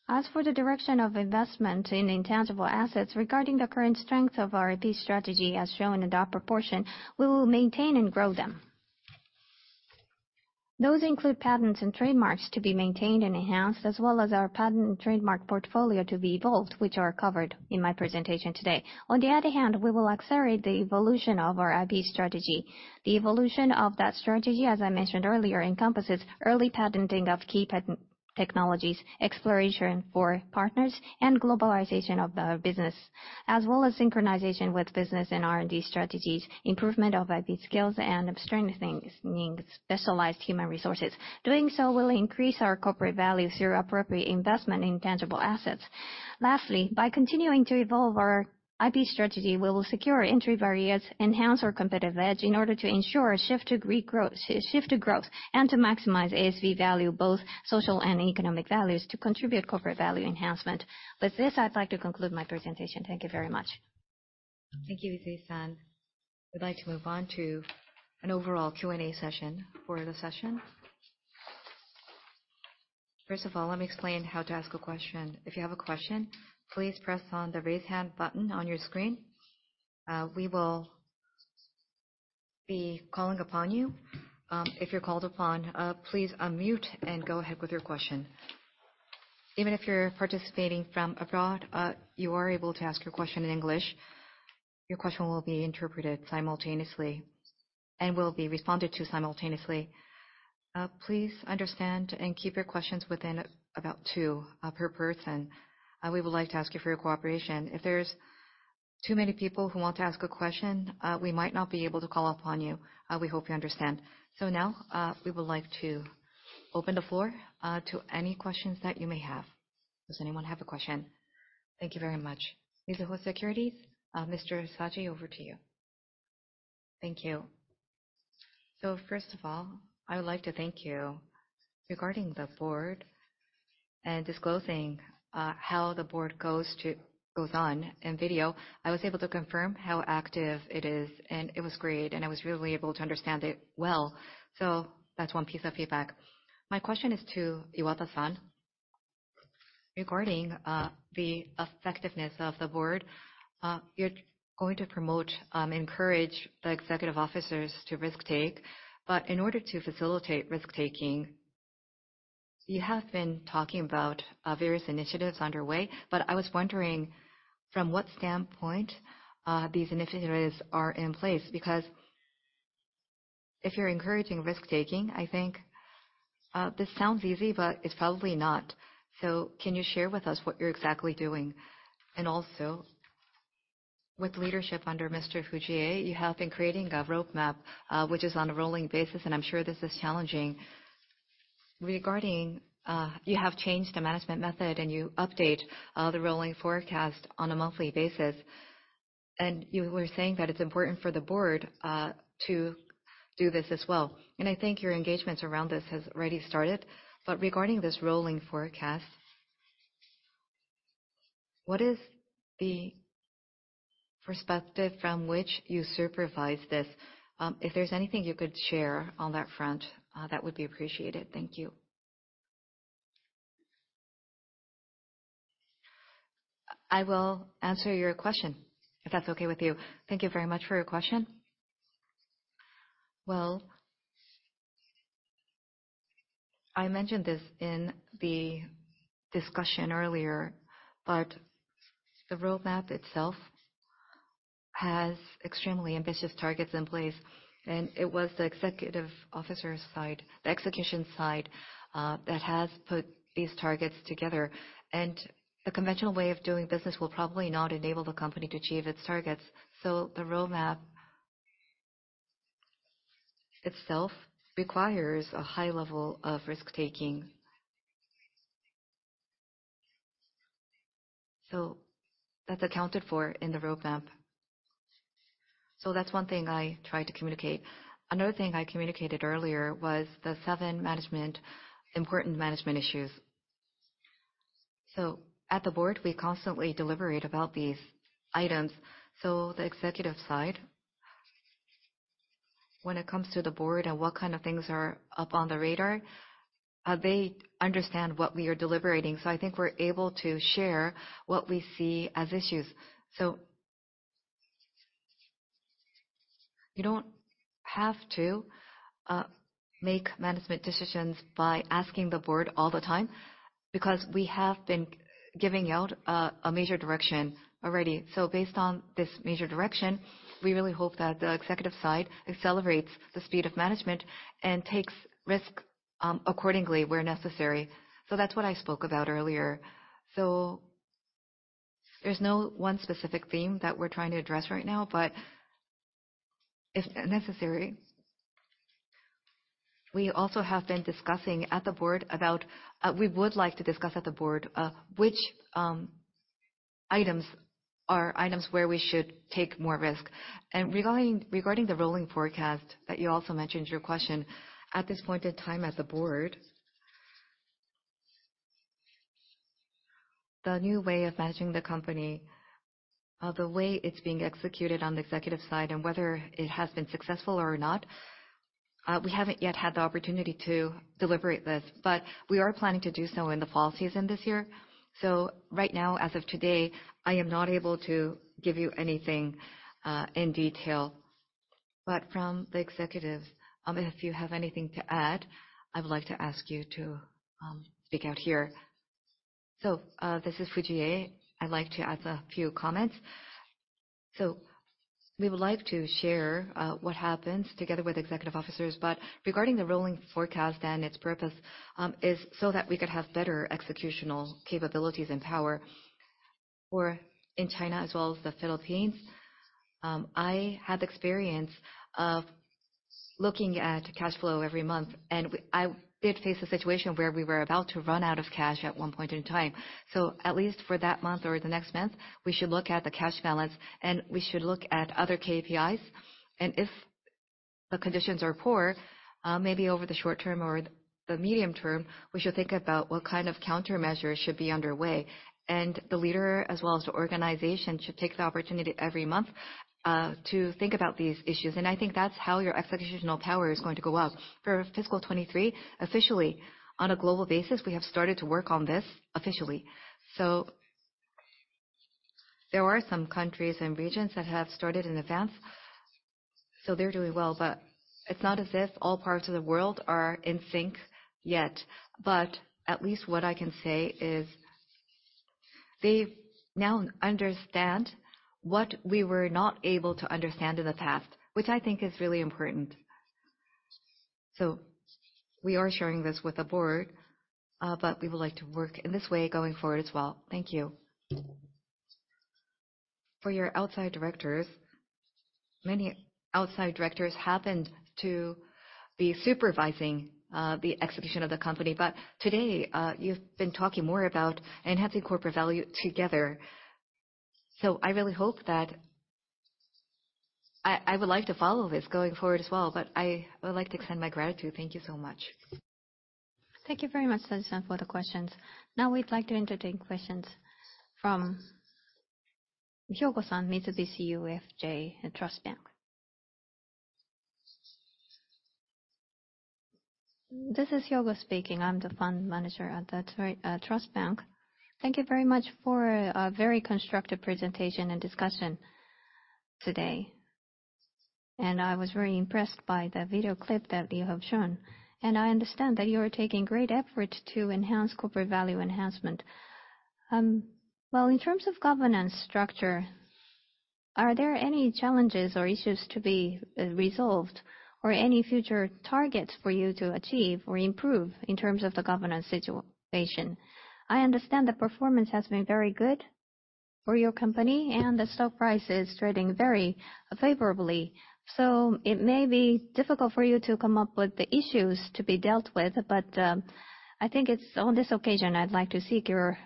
As for the direction of investment in intangible assets, regarding the current strength of our IP strategy, as shown in the upper portion, we will maintain and grow them. Those include patents and trademarks to be maintained and enhanced, as well as our patent and trademark portfolio to be evolved, which are covered in my presentation today. On the other hand, we will accelerate the evolution of our IP strategy. The evolution of that strategy, as I mentioned earlier, encompasses early patenting of key patent technologies, exploration for partners, and globalization of the business, as well as synchronization with business and R&D strategies, improvement of IP skills, and strengthening specialized human resources. Doing so will increase our corporate value through appropriate investment in intangible assets. Lastly, by continuing to evolve our IP strategy, we will secure entry barriers, enhance our competitive edge in order to ensure a shift to growth, and to maximize ASV value, both social and economic values, to contribute corporate value enhancement. With this, I'd like to conclude my presentation. Thank you very much. Thank you, Izui-san. We'd like to move on to an overall Q&A session for the session. First of all, let me explain how to ask a question. If you have a question, please press on the Raise Hand button on your screen. We will be calling upon you. If you're called upon, please unmute and go ahead with your question. Even if you're participating from abroad, you are able to ask your question in English. Your question will be interpreted simultaneously and will be responded to simultaneously. Please understand and keep your questions within about two per person. We would like to ask you for your cooperation. If there's too many people who want to ask a question, we might not be able to call upon you. We hope you understand. So now, we would like to open the floor to any questions that you may have. Does anyone have a question? Thank you very much. Mizuho Securities, Mr. Saji, over to you. Thank you. So first of all, I would like to thank you regarding the Board and disclosing how the Board goes on in video. I was able to confirm how active it is, and it was great, and I was really able to understand it well. So that's one piece of feedback. My question is to Iwata-san. Regarding the effectiveness of the Board, you're going to promote, encourage the executive officers to risk-take. But in order to facilitate risk-taking, you have been talking about various initiatives underway, but I was wondering, from what standpoint these initiatives are in place? Because if you're encouraging risk-taking, I think, this sounds easy, but it's probably not. So can you share with us what you're exactly doing? And also, with leadership under Mr. Fujie, you have been creating a roadmap, which is on a rolling basis, and I'm sure this is challenging. Regarding, you have changed the management method, and you update, the rolling forecast on a monthly basis, and you were saying that it's important for the Board, to do this as well. And I think your engagements around this has already started. But regarding this rolling forecast, what is the perspective from which you supervise this? If there's anything you could share on that front, that would be appreciated. Thank you. I will answer your question, if that's okay with you. Thank you very much for your question. Well, I mentioned this in the discussion earlier, but the roadmap itself has extremely ambitious targets in place, and it was the executive officer's side, the execution side, that has put these targets together. A conventional way of doing business will probably not enable the company to achieve its targets, so the roadmap itself requires a high level of risk-taking. So that's accounted for in the roadmap. So that's one thing I tried to communicate. Another thing I communicated earlier was the seven management, important management issues. So at the Board, we constantly deliberate about these items. So the executive side, when it comes to the Board and what kind of things are up on the radar, they understand what we are deliberating, so I think we're able to share what we see as issues. So you don't have to make management decisions by asking the Board all the time, because we have been giving out a major direction already. So based on this major direction, we really hope that the executive side accelerates the speed of management and takes risk accordingly, where necessary. So that's what I spoke about earlier. So there's no one specific theme that we're trying to address right now, but if necessary, we also have been discussing at the Board about. We would like to discuss at the Board, which items are items where we should take more risk. And regarding, regarding the rolling forecast that you also mentioned in your question, at this point in time at the Board, the new way of managing the company, the way it's being executed on the executive side and whether it has been successful or not, we haven't yet had the opportunity to deliberate this, but we are planning to do so in the fall season this year. So right now, as of today, I am not able to give you anything in detail. But from the executives, if you have anything to add, I would like to ask you to speak out here. So this is Fujie. I'd like to add a few comments. So we would like to share what happens together with executive officers. But regarding the rolling forecast and its purpose is so that we could have better executional capabilities and power. For in China as well as the Philippines, I had the experience of looking at cash flow every month, and I did face a situation where we were about to run out of cash at one point in time. So at least for that month or the next month, we should look at the cash balance, and we should look at other KPIs. If the conditions are poor, maybe over the short term or the medium term, we should think about what kind of countermeasures should be underway. The leader, as well as the organization, should take the opportunity every month to think about these issues. I think that's how your executional power is going to go out. For fiscal 2023, officially, on a global basis, we have started to work on this officially. So there are some countries and regions that have started in advance, so they're doing well, but it's not as if all parts of the world are in sync yet. But at least what I can say is they now understand what we were not able to understand in the past, which I think is really important. So we are sharing this with the Board, but we would like to work in this way going forward as well. Thank you. For your outside directors, many outside directors happened to be supervising the execution of the company, but today, you've been talking more about enhancing corporate value together. So I really hope that, I would like to follow this going forward as well, but I would like to extend my gratitude. Thank you so much. Thank you very much, Saji-san, for the questions. Now we'd like to entertain questions from Hyogo-san, Mitsubishi UFJ Trust Bank. This is Hyogo speaking. I'm the fund manager at the Trust Bank. Thank you very much for a very constructive presentation and discussion today. I was very impressed by the video clip that you have shown, and I understand that you are taking great effort to enhance corporate value enhancement. Well, in terms of governance structure, are there any challenges or issues to be resolved, or any future targets for you to achieve or improve in terms of the governance situation? I understand the performance has been very good for your company, and the stock price is trading very favorably. It may be difficult for you to come up with the issues to be dealt with, but I think it's, on this occasion, I'd like to seek your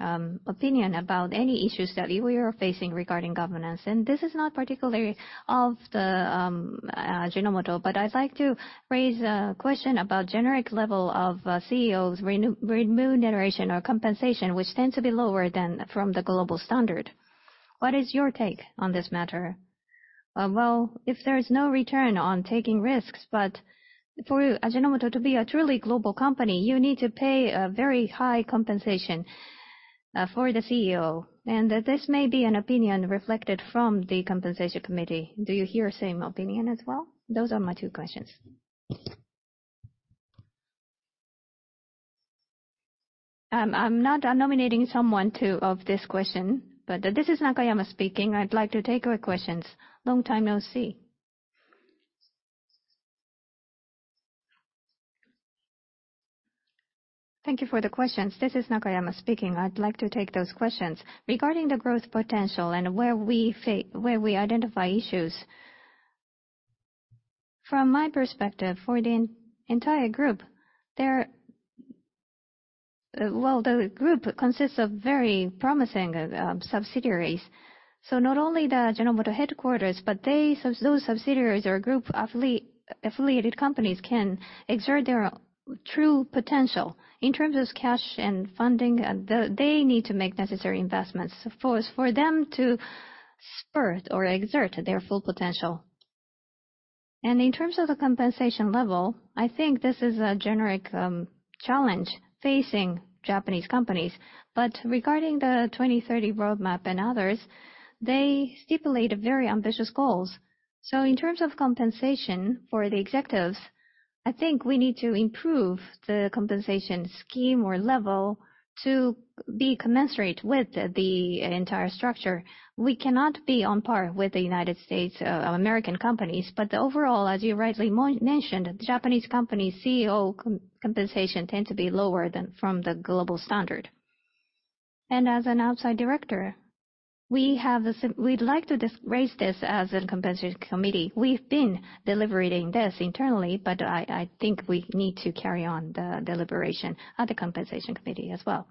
opinion about any issues that you are facing regarding governance. This is not particularly of the Ajinomoto, but I'd like to raise a question about generic level of CEOs remuneration or compensation, which tends to be lower than from the global standard. What is your take on this matter? Well, if there is no return on taking risks, but for Ajinomoto to be a truly global company, you need to pay a very high compensation for the CEO, and this may be an opinion reflected from the compensation committee. Do you hear same opinion as well? Those are my two questions. I'm not nominating someone too of this question, but this is Nakayama speaking. I'd like to take your questions. Long time, no see. Thank you for the questions. This is Nakayama speaking. I'd like to take those questions. Regarding the growth potential and where we identify issues. From my perspective, for the entire group, well, the group consists of very promising subsidiaries. So not only the Ajinomoto headquarters, but they, those subsidiaries or group affiliate, affiliated companies can exert their true potential in terms of cash and funding. They need to make necessary investments for them to spurt or exert their full potential. And in terms of the compensation level, I think this is a generic challenge facing Japanese companies. But regarding the 2030 Roadmap and others, they stipulate very ambitious goals. So in terms of compensation for the executives, I think we need to improve the compensation scheme or level to be commensurate with the entire structure. We cannot be on par with the United States, American companies, but overall, as you rightly mentioned, Japanese companies' CEO compensation tend to be lower than from the global standard. And as an Outside Director, we'd like to raise this as a Compensation Committee. We've been deliberating this internally, but I think we need to carry on the deliberation at the Compensation Committee as well.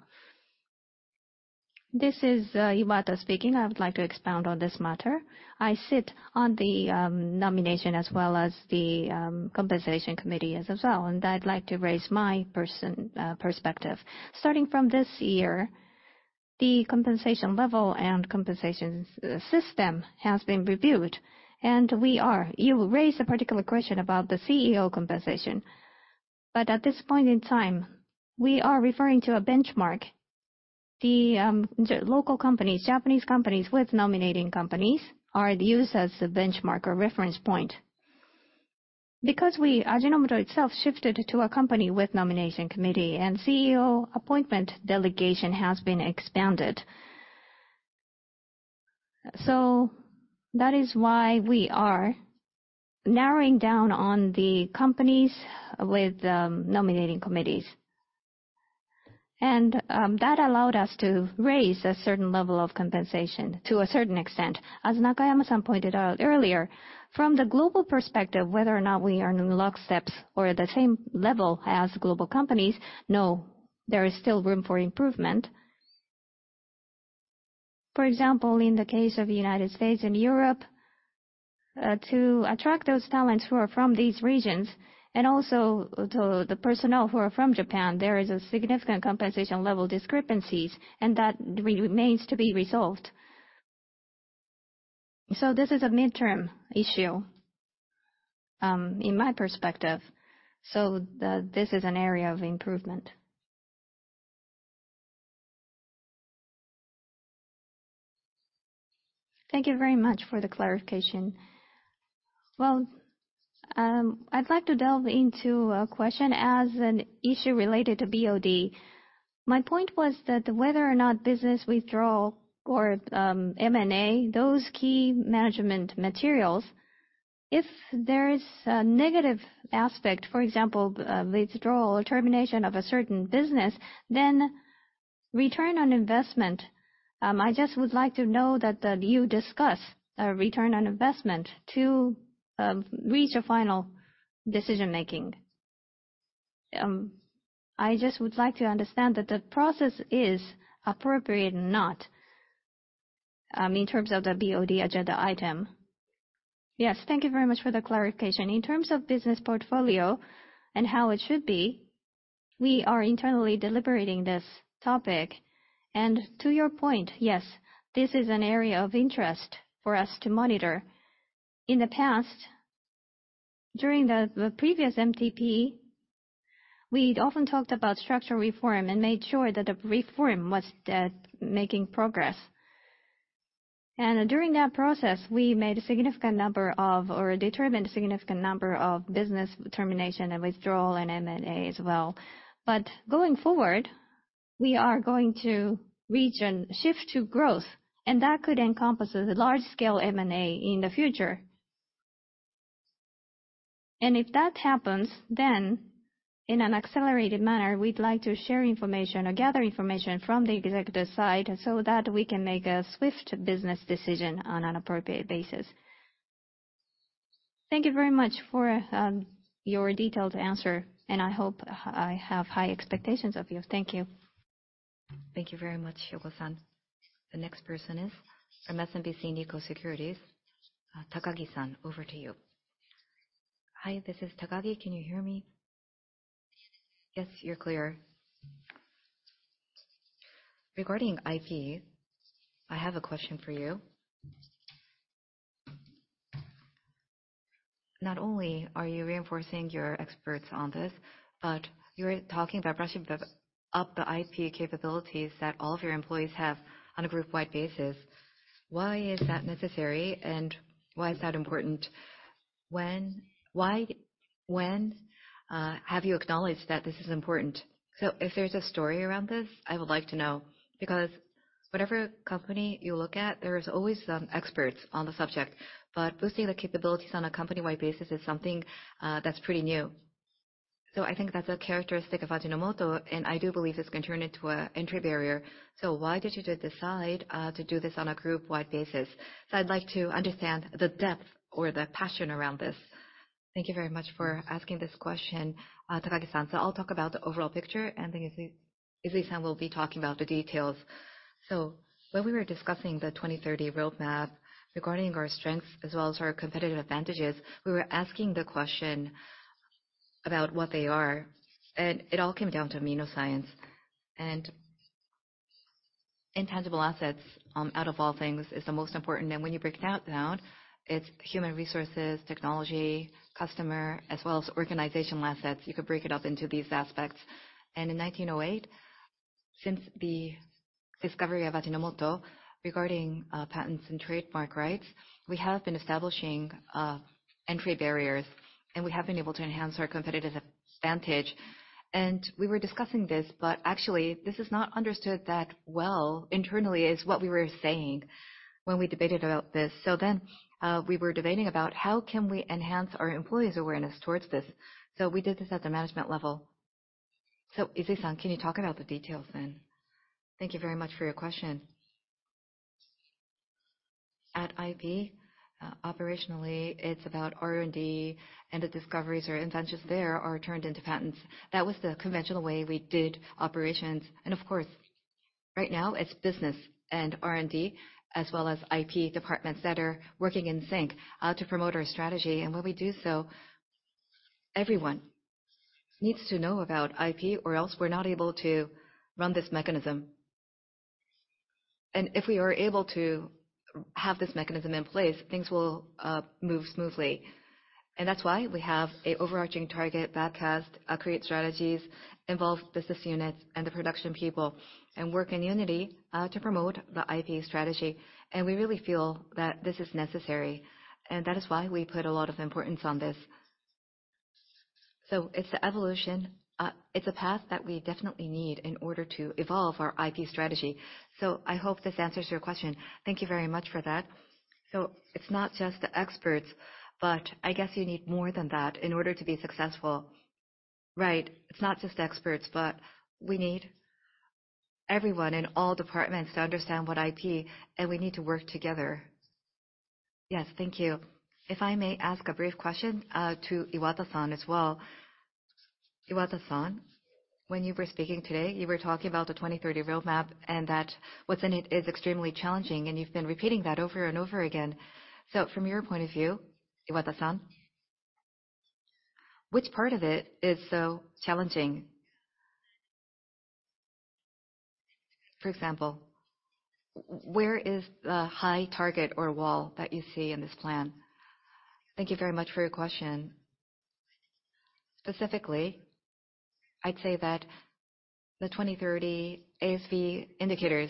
This is Iwata speaking. I would like to expound on this matter. I sit on the Nomination as well as the Compensation Committee as well, and I'd like to raise my personal perspective. Starting from this year, the compensation level and compensation system has been reviewed, and we are. You raised a particular question about the CEO compensation, but at this point in time, we are referring to a benchmark. The local companies, Japanese companies with nominating committees, are used as a benchmark or reference point. Because we, Ajinomoto itself, shifted to a company with nomination committee and CEO appointment delegation has been expanded. So that is why we are narrowing down on the companies with nominating committees. And that allowed us to raise a certain level of compensation to a certain extent. As Nakayama-san pointed out earlier, from the global perspective, whether or not we are in locksteps or at the same level as global companies, no, there is still room for improvement. For example, in the case of United States and Europe, to attract those talents who are from these regions and also to the personnel who are from Japan, there is a significant compensation level discrepancies, and that remains to be resolved. So this is a midterm issue, in my perspective, so this is an area of improvement. Thank you very much for the clarification. Well, I'd like to delve into a question as an issue related to BOD. My point was that whether or not business withdrawal or, M&A, those key management materials, if there is a negative aspect, for example, withdrawal or termination of a certain business, then return on investment. I just would like to know that, that you discuss a return on investment to, reach a final decision-making. I just would like to understand that the process is appropriate or not, in terms of the BOD agenda item. Yes, thank you very much for the clarification. In terms of business portfolio and how it should be, we are internally deliberating this topic. To your point, yes, this is an area of interest for us to monitor. In the past, during the previous MTP, we'd often talked about structural reform and made sure that the reform was making progress. During that process, we made a significant number of, or determined a significant number of business termination and withdrawal and M&A as well. But going forward, we are going to reach and shift to growth, and that could encompass a large-scale M&A in the future. And if that happens, then in an accelerated manner, we'd like to share information or gather information from the executive side so that we can make a swift business decision on an appropriate basis. Thank you very much for your detailed answer, and I hope I have high expectations of you. Thank you. Thank you very much, Hyogo-san. The next person is from SMBC Nikko Securities. Takagi-san, over to you. Hi, this is Takagi. Can you hear me? Yes, you're clear. Regarding IP, I have a question for you. Not only are you reinforcing your experts on this, but you're talking about brushing up the IP capabilities that all of your employees have on a group-wide basis. Why is that necessary, and why is that important? When, why, when have you acknowledged that this is important? So if there's a story around this, I would like to know, because whatever company you look at, there is always some experts on the subject. But boosting the capabilities on a company-wide basis is something that's pretty new. So I think that's a characteristic of Ajinomoto, and I do believe this can turn into a entry barrier. So why did you decide to do this on a group-wide basis? So I'd like to understand the depth or the passion around this. Thank you very much for asking this question, Takagi-san. So I'll talk about the overall picture, and then Izui-san will be talking about the details. When we were discussing the 2030 Roadmap regarding our strengths as well as our competitive advantages, we were asking the question about what they are, and it all came down to AminoScience. Intangible assets, out of all things, is the most important. When you break that down, it's human resources, technology, customer, as well as organizational assets. You could break it up into these aspects. In 1908, since the discovery of Ajinomoto, regarding patents and trademark rights, we have been establishing entry barriers, and we have been able to enhance our competitive advantage. We were discussing this, but actually this is not understood that well internally, is what we were saying when we debated about this. So then, we were debating about how can we enhance our employees' awareness toward this? So we did this at the management level. So Izui-san, can you talk about the details then? Thank you very much for your question. At IP, operationally, it's about R&D, and the discoveries or inventions there are turned into patents. That was the conventional way we did operations. And of course, right now it's business and R&D, as well as IP departments that are working in sync, to promote our strategy. And when we do so, everyone needs to know about IP, or else we're not able to run this mechanism. And if we are able to have this mechanism in place, things will move smoothly. And that's why we have an overarching target backcast, create strategies, involve business units and the production people, and work in unity, to promote the IP strategy. And we really feel that this is necessary, and that is why we put a lot of importance on this. So it's the evolution, it's a path that we definitely need in order to evolve our IP strategy. So I hope this answers your question. Thank you very much for that. So it's not just the experts, but I guess you need more than that in order to be successful. Right. It's not just experts, but we need everyone in all departments to understand what IP, and we need to work together. Yes. Thank you. If I may ask a brief question, to Iwata-san as well. Iwata-san, when you were speaking today, you were talking about the 2030 Roadmap, and that what's in it is extremely challenging, and you've been repeating that over and over again. So from your point of view, Iwata-san, which part of it is so challenging? For example, where is the high target or wall that you see in this plan? Thank you very much for your question. Specifically, I'd say that the 2030 ASV indicators,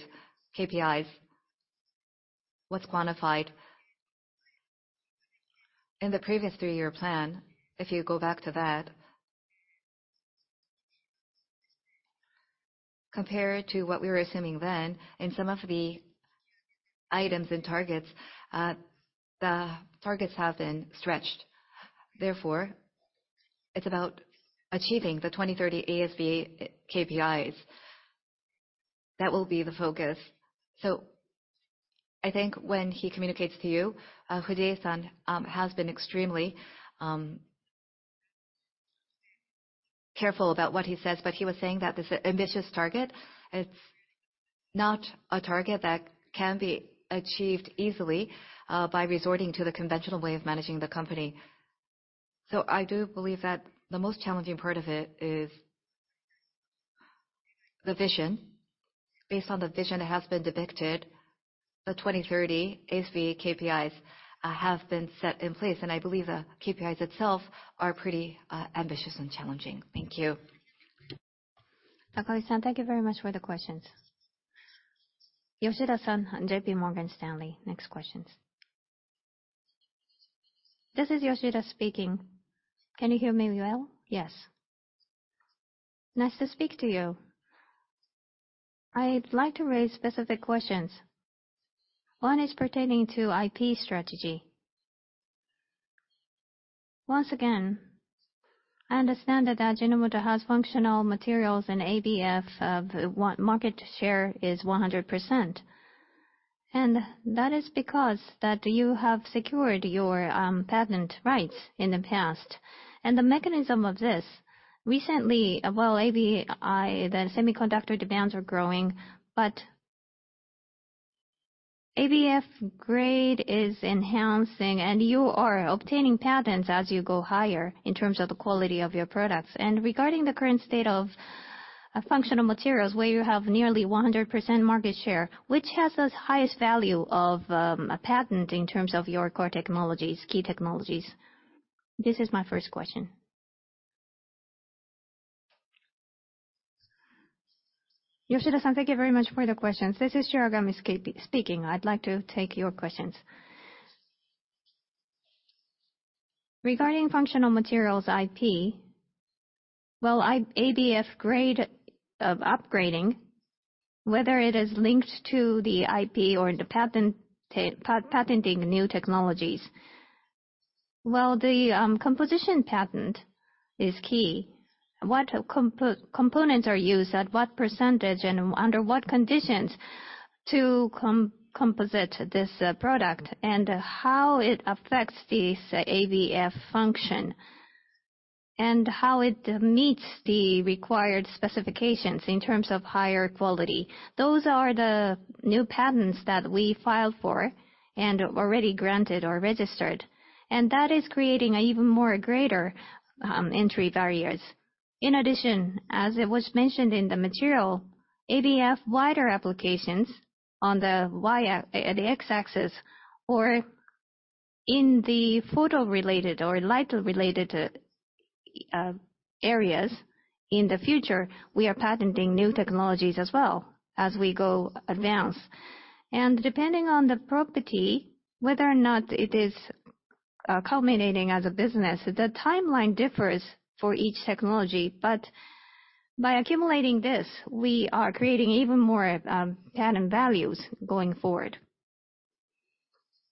KPIs, what's quantified in the previous three-year plan, if you go back to that, compared to what we were assuming then, in some of the items and targets, the targets have been stretched. Therefore, it's about achieving the 2030 ASV KPIs. That will be the focus. So I think when he communicates to you, Fujie-san, has been extremely careful about what he says, but he was saying that this is an ambitious target. It's not a target that can be achieved easily by resorting to the conventional way of managing the company. So I do believe that the most challenging part of it is the vision. Based on the vision that has been depicted, the 2030 ASV KPIs have been set in place, and I believe the KPIs itself are pretty ambitious and challenging. Thank you. Takagi-san, thank you very much for the questions. Yoshida-san, JPMorgan Stanley, next questions. This is Yoshida speaking. Can you hear me well? Yes. Nice to speak to you. I'd like to raise specific questions. One is pertaining to IP strategy. Once again, I understand that Ajinomoto has functional materials in ABF of what market share is 100%, and that is because that you have secured your patent rights in the past. The mechanism of this, recently, well, ABI, the semiconductor demands are growing, but ABF grade is enhancing, and you are obtaining patents as you go higher in terms of the quality of your products. Regarding the current state of functional materials, where you have nearly 100% market share, which has the highest value of a patent in terms of your core technologies, key technologies? This is my first question. Yoshida-san, thank you very much for the question. This is Shiragami speaking. I'd like to take your questions. Regarding functional materials IP, well, ABF grade of upgrading whether it is linked to the IP or the patent, patenting new technologies? Well, the composition patent is key. What components are used, at what percentage, and under what conditions to composite this product, and how it affects the ABF function, and how it meets the required specifications in terms of higher quality. Those are the new patents that we filed for and already granted or registered, and that is creating an even more greater entry barriers. In addition, as it was mentioned in the material, ABF wider applications on the Y a- the X-axis, or in the photo-related or light-related areas in the future, we are patenting new technologies as well as we go advance. And depending on the property, whether or not it is culminating as a business, the timeline differs for each technology. But by accumulating this, we are creating even more patent values going forward.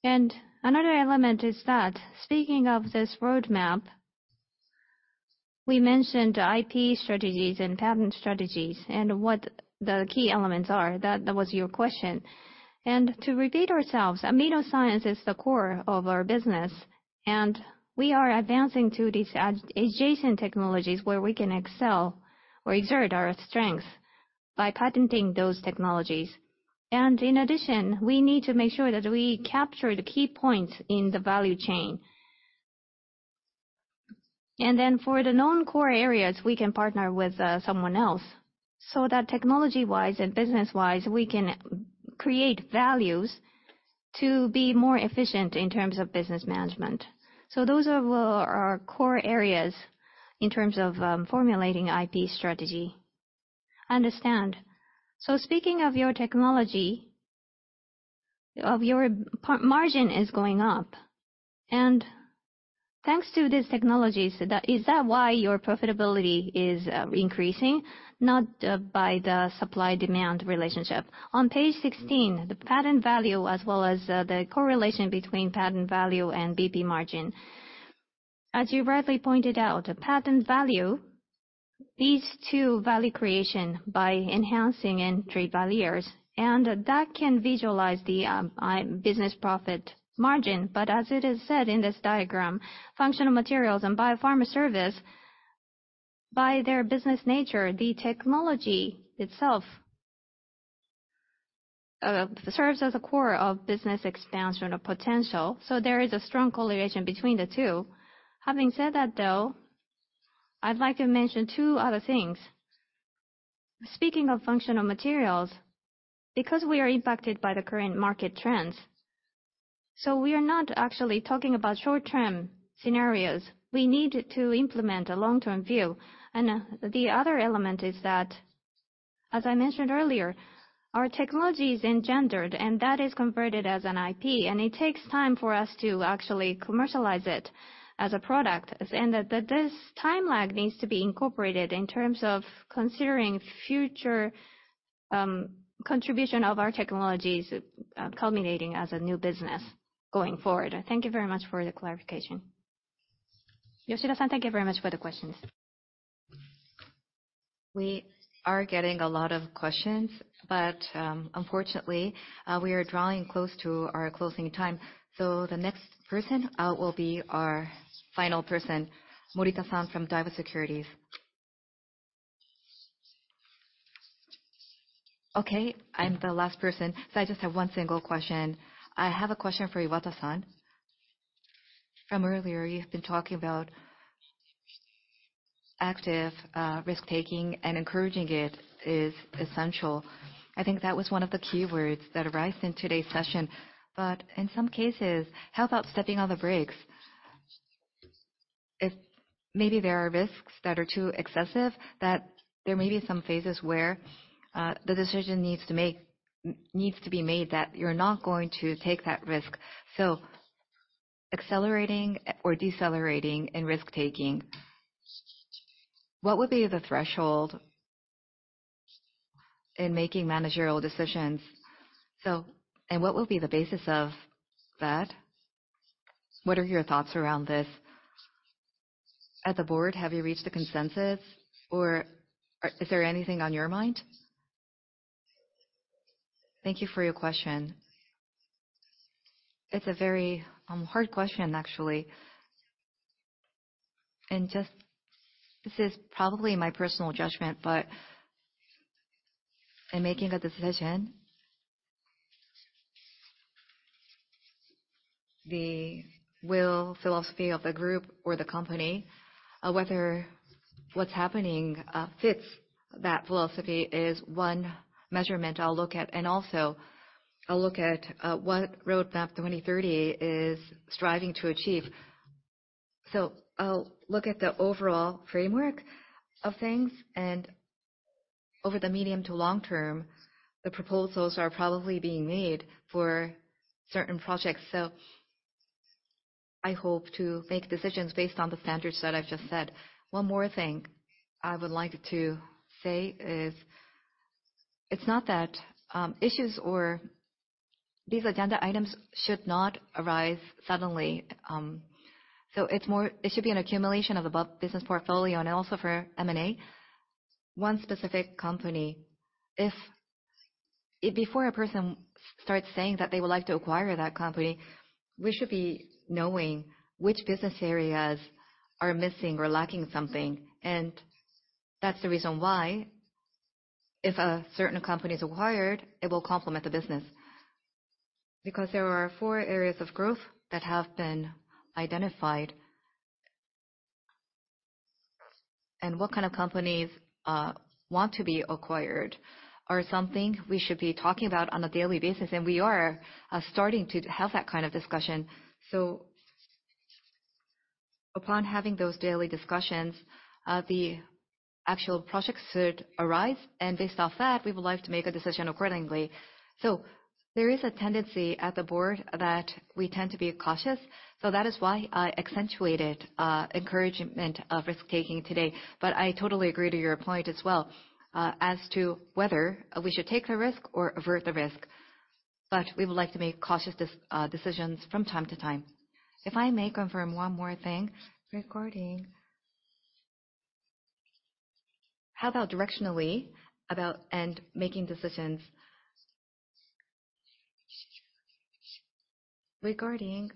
And another element is that speaking of this roadmap, we mentioned IP strategies and patent strategies and what the key elements are. That was your question. And to repeat ourselves, AminoScience is the core of our business, and we are advancing to these adjacent technologies where we can excel or exert our strength by patenting those technologies. And in addition, we need to make sure that we capture the key points in the value chain. And then for the non-core areas, we can partner with someone else, so that technology-wise and business-wise, we can create values to be more efficient in terms of business management. So those are our core areas in terms of formulating IP strategy. Understand. So speaking of your technology, of your margin is going up, and thanks to these technologies, that is that why your profitability is increasing, not by the supply-demand relationship? On page 16, the patent value as well as the correlation between patent value and BP margin. As you rightly pointed out, a patent value leads to value creation by enhancing entry barriers, and that can visualize the business profit margin. But as it is said in this diagram, Functional Materials and Bio-Pharma Services, by their business nature, the technology itself serves as a core of business expansion or potential, so there is a strong correlation between the two. Having said that, though, I'd like to mention two other things. Speaking of Functional Materials, because we are impacted by the current market trends, so we are not actually talking about short-term scenarios. We need to implement a long-term view. And the other element is that, as I mentioned earlier, our technology is engendered, and that is converted as an IP, and it takes time for us to actually commercialize it as a product. And that this time lag needs to be incorporated in terms of considering future, contribution of our technologies, culminating as a new business going forward. Thank you very much for the clarification. Yoshida-san, thank you very much for the questions. We are getting a lot of questions, but, unfortunately, we are drawing close to our closing time. So the next person will be our final person, Morita-san from Daiwa Securities. Okay, I'm the last person, so I just have one single question. I have a question for Iwata-san. From earlier, you've been talking about active risk-taking and encouraging it is essential. I think that was one of the keywords that arise in today's session. But in some cases, how about stepping on the brakes? If maybe there are risks that are too excessive, that there may be some phases where the decision needs to be made, that you're not going to take that risk. So accelerating or decelerating in risk-taking, what would be the threshold in making managerial decisions? And what will be the basis of that? What are your thoughts around this? At the Board, have you reached a consensus, or are, is there anything on your mind? Thank you for your question. It's a very, hard question, actually. And just, this is probably my personal judgment, but in making a decision, the will, philosophy of the group or the company, whether what's happening fits that philosophy is one measurement I'll look at. And also, I'll look at what Roadmap 2030 is striving to achieve. So I'll look at the overall framework of things, and over the medium to long term, the proposals are probably being made for certain projects. I hope to make decisions based on the standards that I've just said. One more thing I would like to say is, it's not that, issues or these agenda items should not arise suddenly. So it should be an accumulation of the business portfolio and also for M&A. One specific company, if before a person starts saying that they would like to acquire that company, we should be knowing which business areas are missing or lacking something. And that's the reason why, if a certain company is acquired, it will complement the business. Because there are four areas of growth that have been identified. And what kind of companies want to be acquired are something we should be talking about on a daily basis, and we are starting to have that kind of discussion. So upon having those daily discussions, the actual projects should arise, and based off that, we would like to make a decision accordingly. So there is a tendency at the Board that we tend to be cautious, so that is why I accentuated encouragement of risk-taking today. But I totally agree to your point as well, as to whether we should take the risk or avert the risk. But we would like to make cautious decisions from time to time. If I may confirm one more thing regarding how about directionally about end making decisions? Regarding,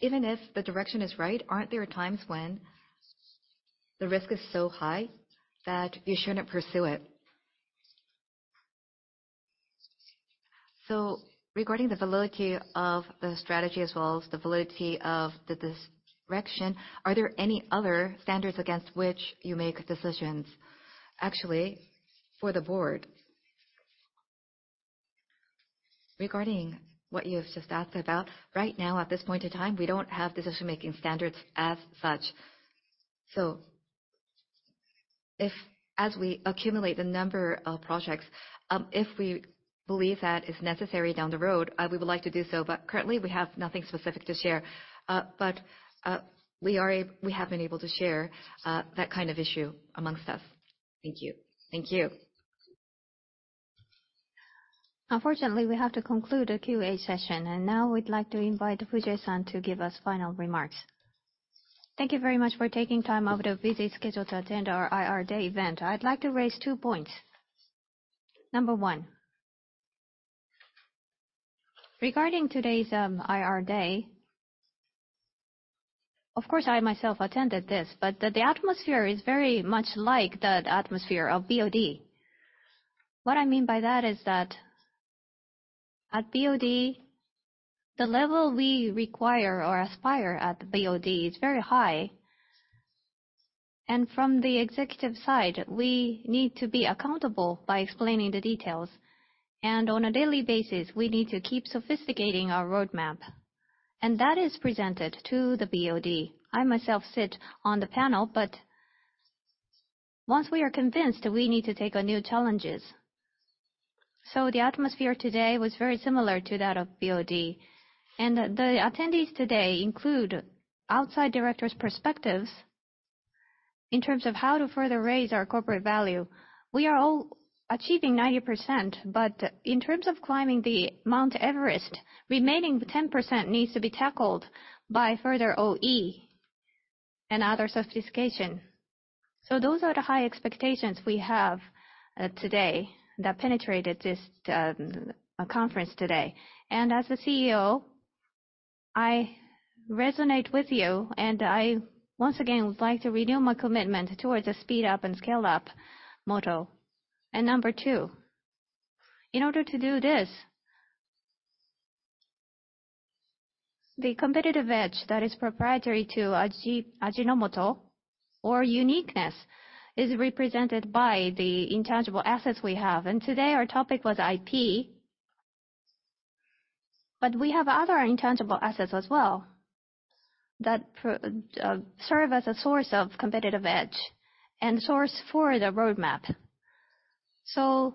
even if the direction is right, aren't there times when the risk is so high that you shouldn't pursue it? So regarding the validity of the strategy as well as the validity of the direction, are there any other standards against which you make decisions? Actually, for the Board, regarding what you have just asked about, right now, at this point in time, we don't have decision-making standards as such. So if, as we accumulate the number of projects, if we believe that is necessary down the road, we would like to do so, but currently, we have nothing specific to share. But we have been able to share that kind of issue among us. Thank you. Thank you. Unfortunately, we have to conclude the Q&A session, and now we'd like to invite Fujie-san to give us final remarks. Thank you very much for taking time out of the busy schedule to attend our IR Day event. I'd like to raise two points. Number one, regarding today's IR Day, of course, I myself attended this, but the atmosphere is very much like the atmosphere of BOD. What I mean by that is that at BOD, the level we require or aspire at the BOD is very high. And from the executive side, we need to be accountable by explaining the details. And on a daily basis, we need to keep sophisticating our roadmap, and that is presented to the BOD. I myself sit on the panel, but once we are convinced, we need to take on new challenges. So the atmosphere today was very similar to that of BOD. The attendees today include Outside Directors' perspectives in terms of how to further raise our corporate value. We are all achieving 90%, but in terms of climbing the Mount Everest, remaining 10% needs to be tackled by further OE and other sophistication. So those are the high expectations we have today that penetrated this conference today. As the CEO, I resonate with you, and I once again would like to renew my commitment towards a speed up and scale up motto. Number two, in order to do this, the competitive edge that is proprietary to Ajinomoto, or uniqueness, is represented by the intangible assets we have. Today, our topic was IP. But we have other intangible assets as well, that serve as a source of competitive edge and source for the roadmap. So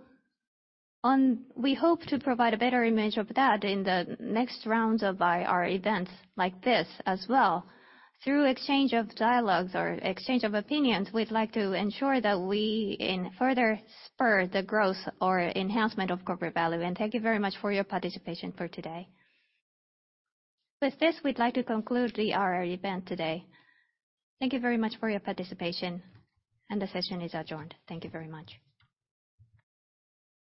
we hope to provide a better image of that in the next rounds of IR events like this as well. Through exchange of dialogues or exchange of opinions, we'd like to ensure that we in further spur the growth or enhancement of corporate value, and thank you very much for your participation for today. With this, we'd like to conclude the IR event today. Thank you very much for your participation, and the session is adjourned. Thank you very much.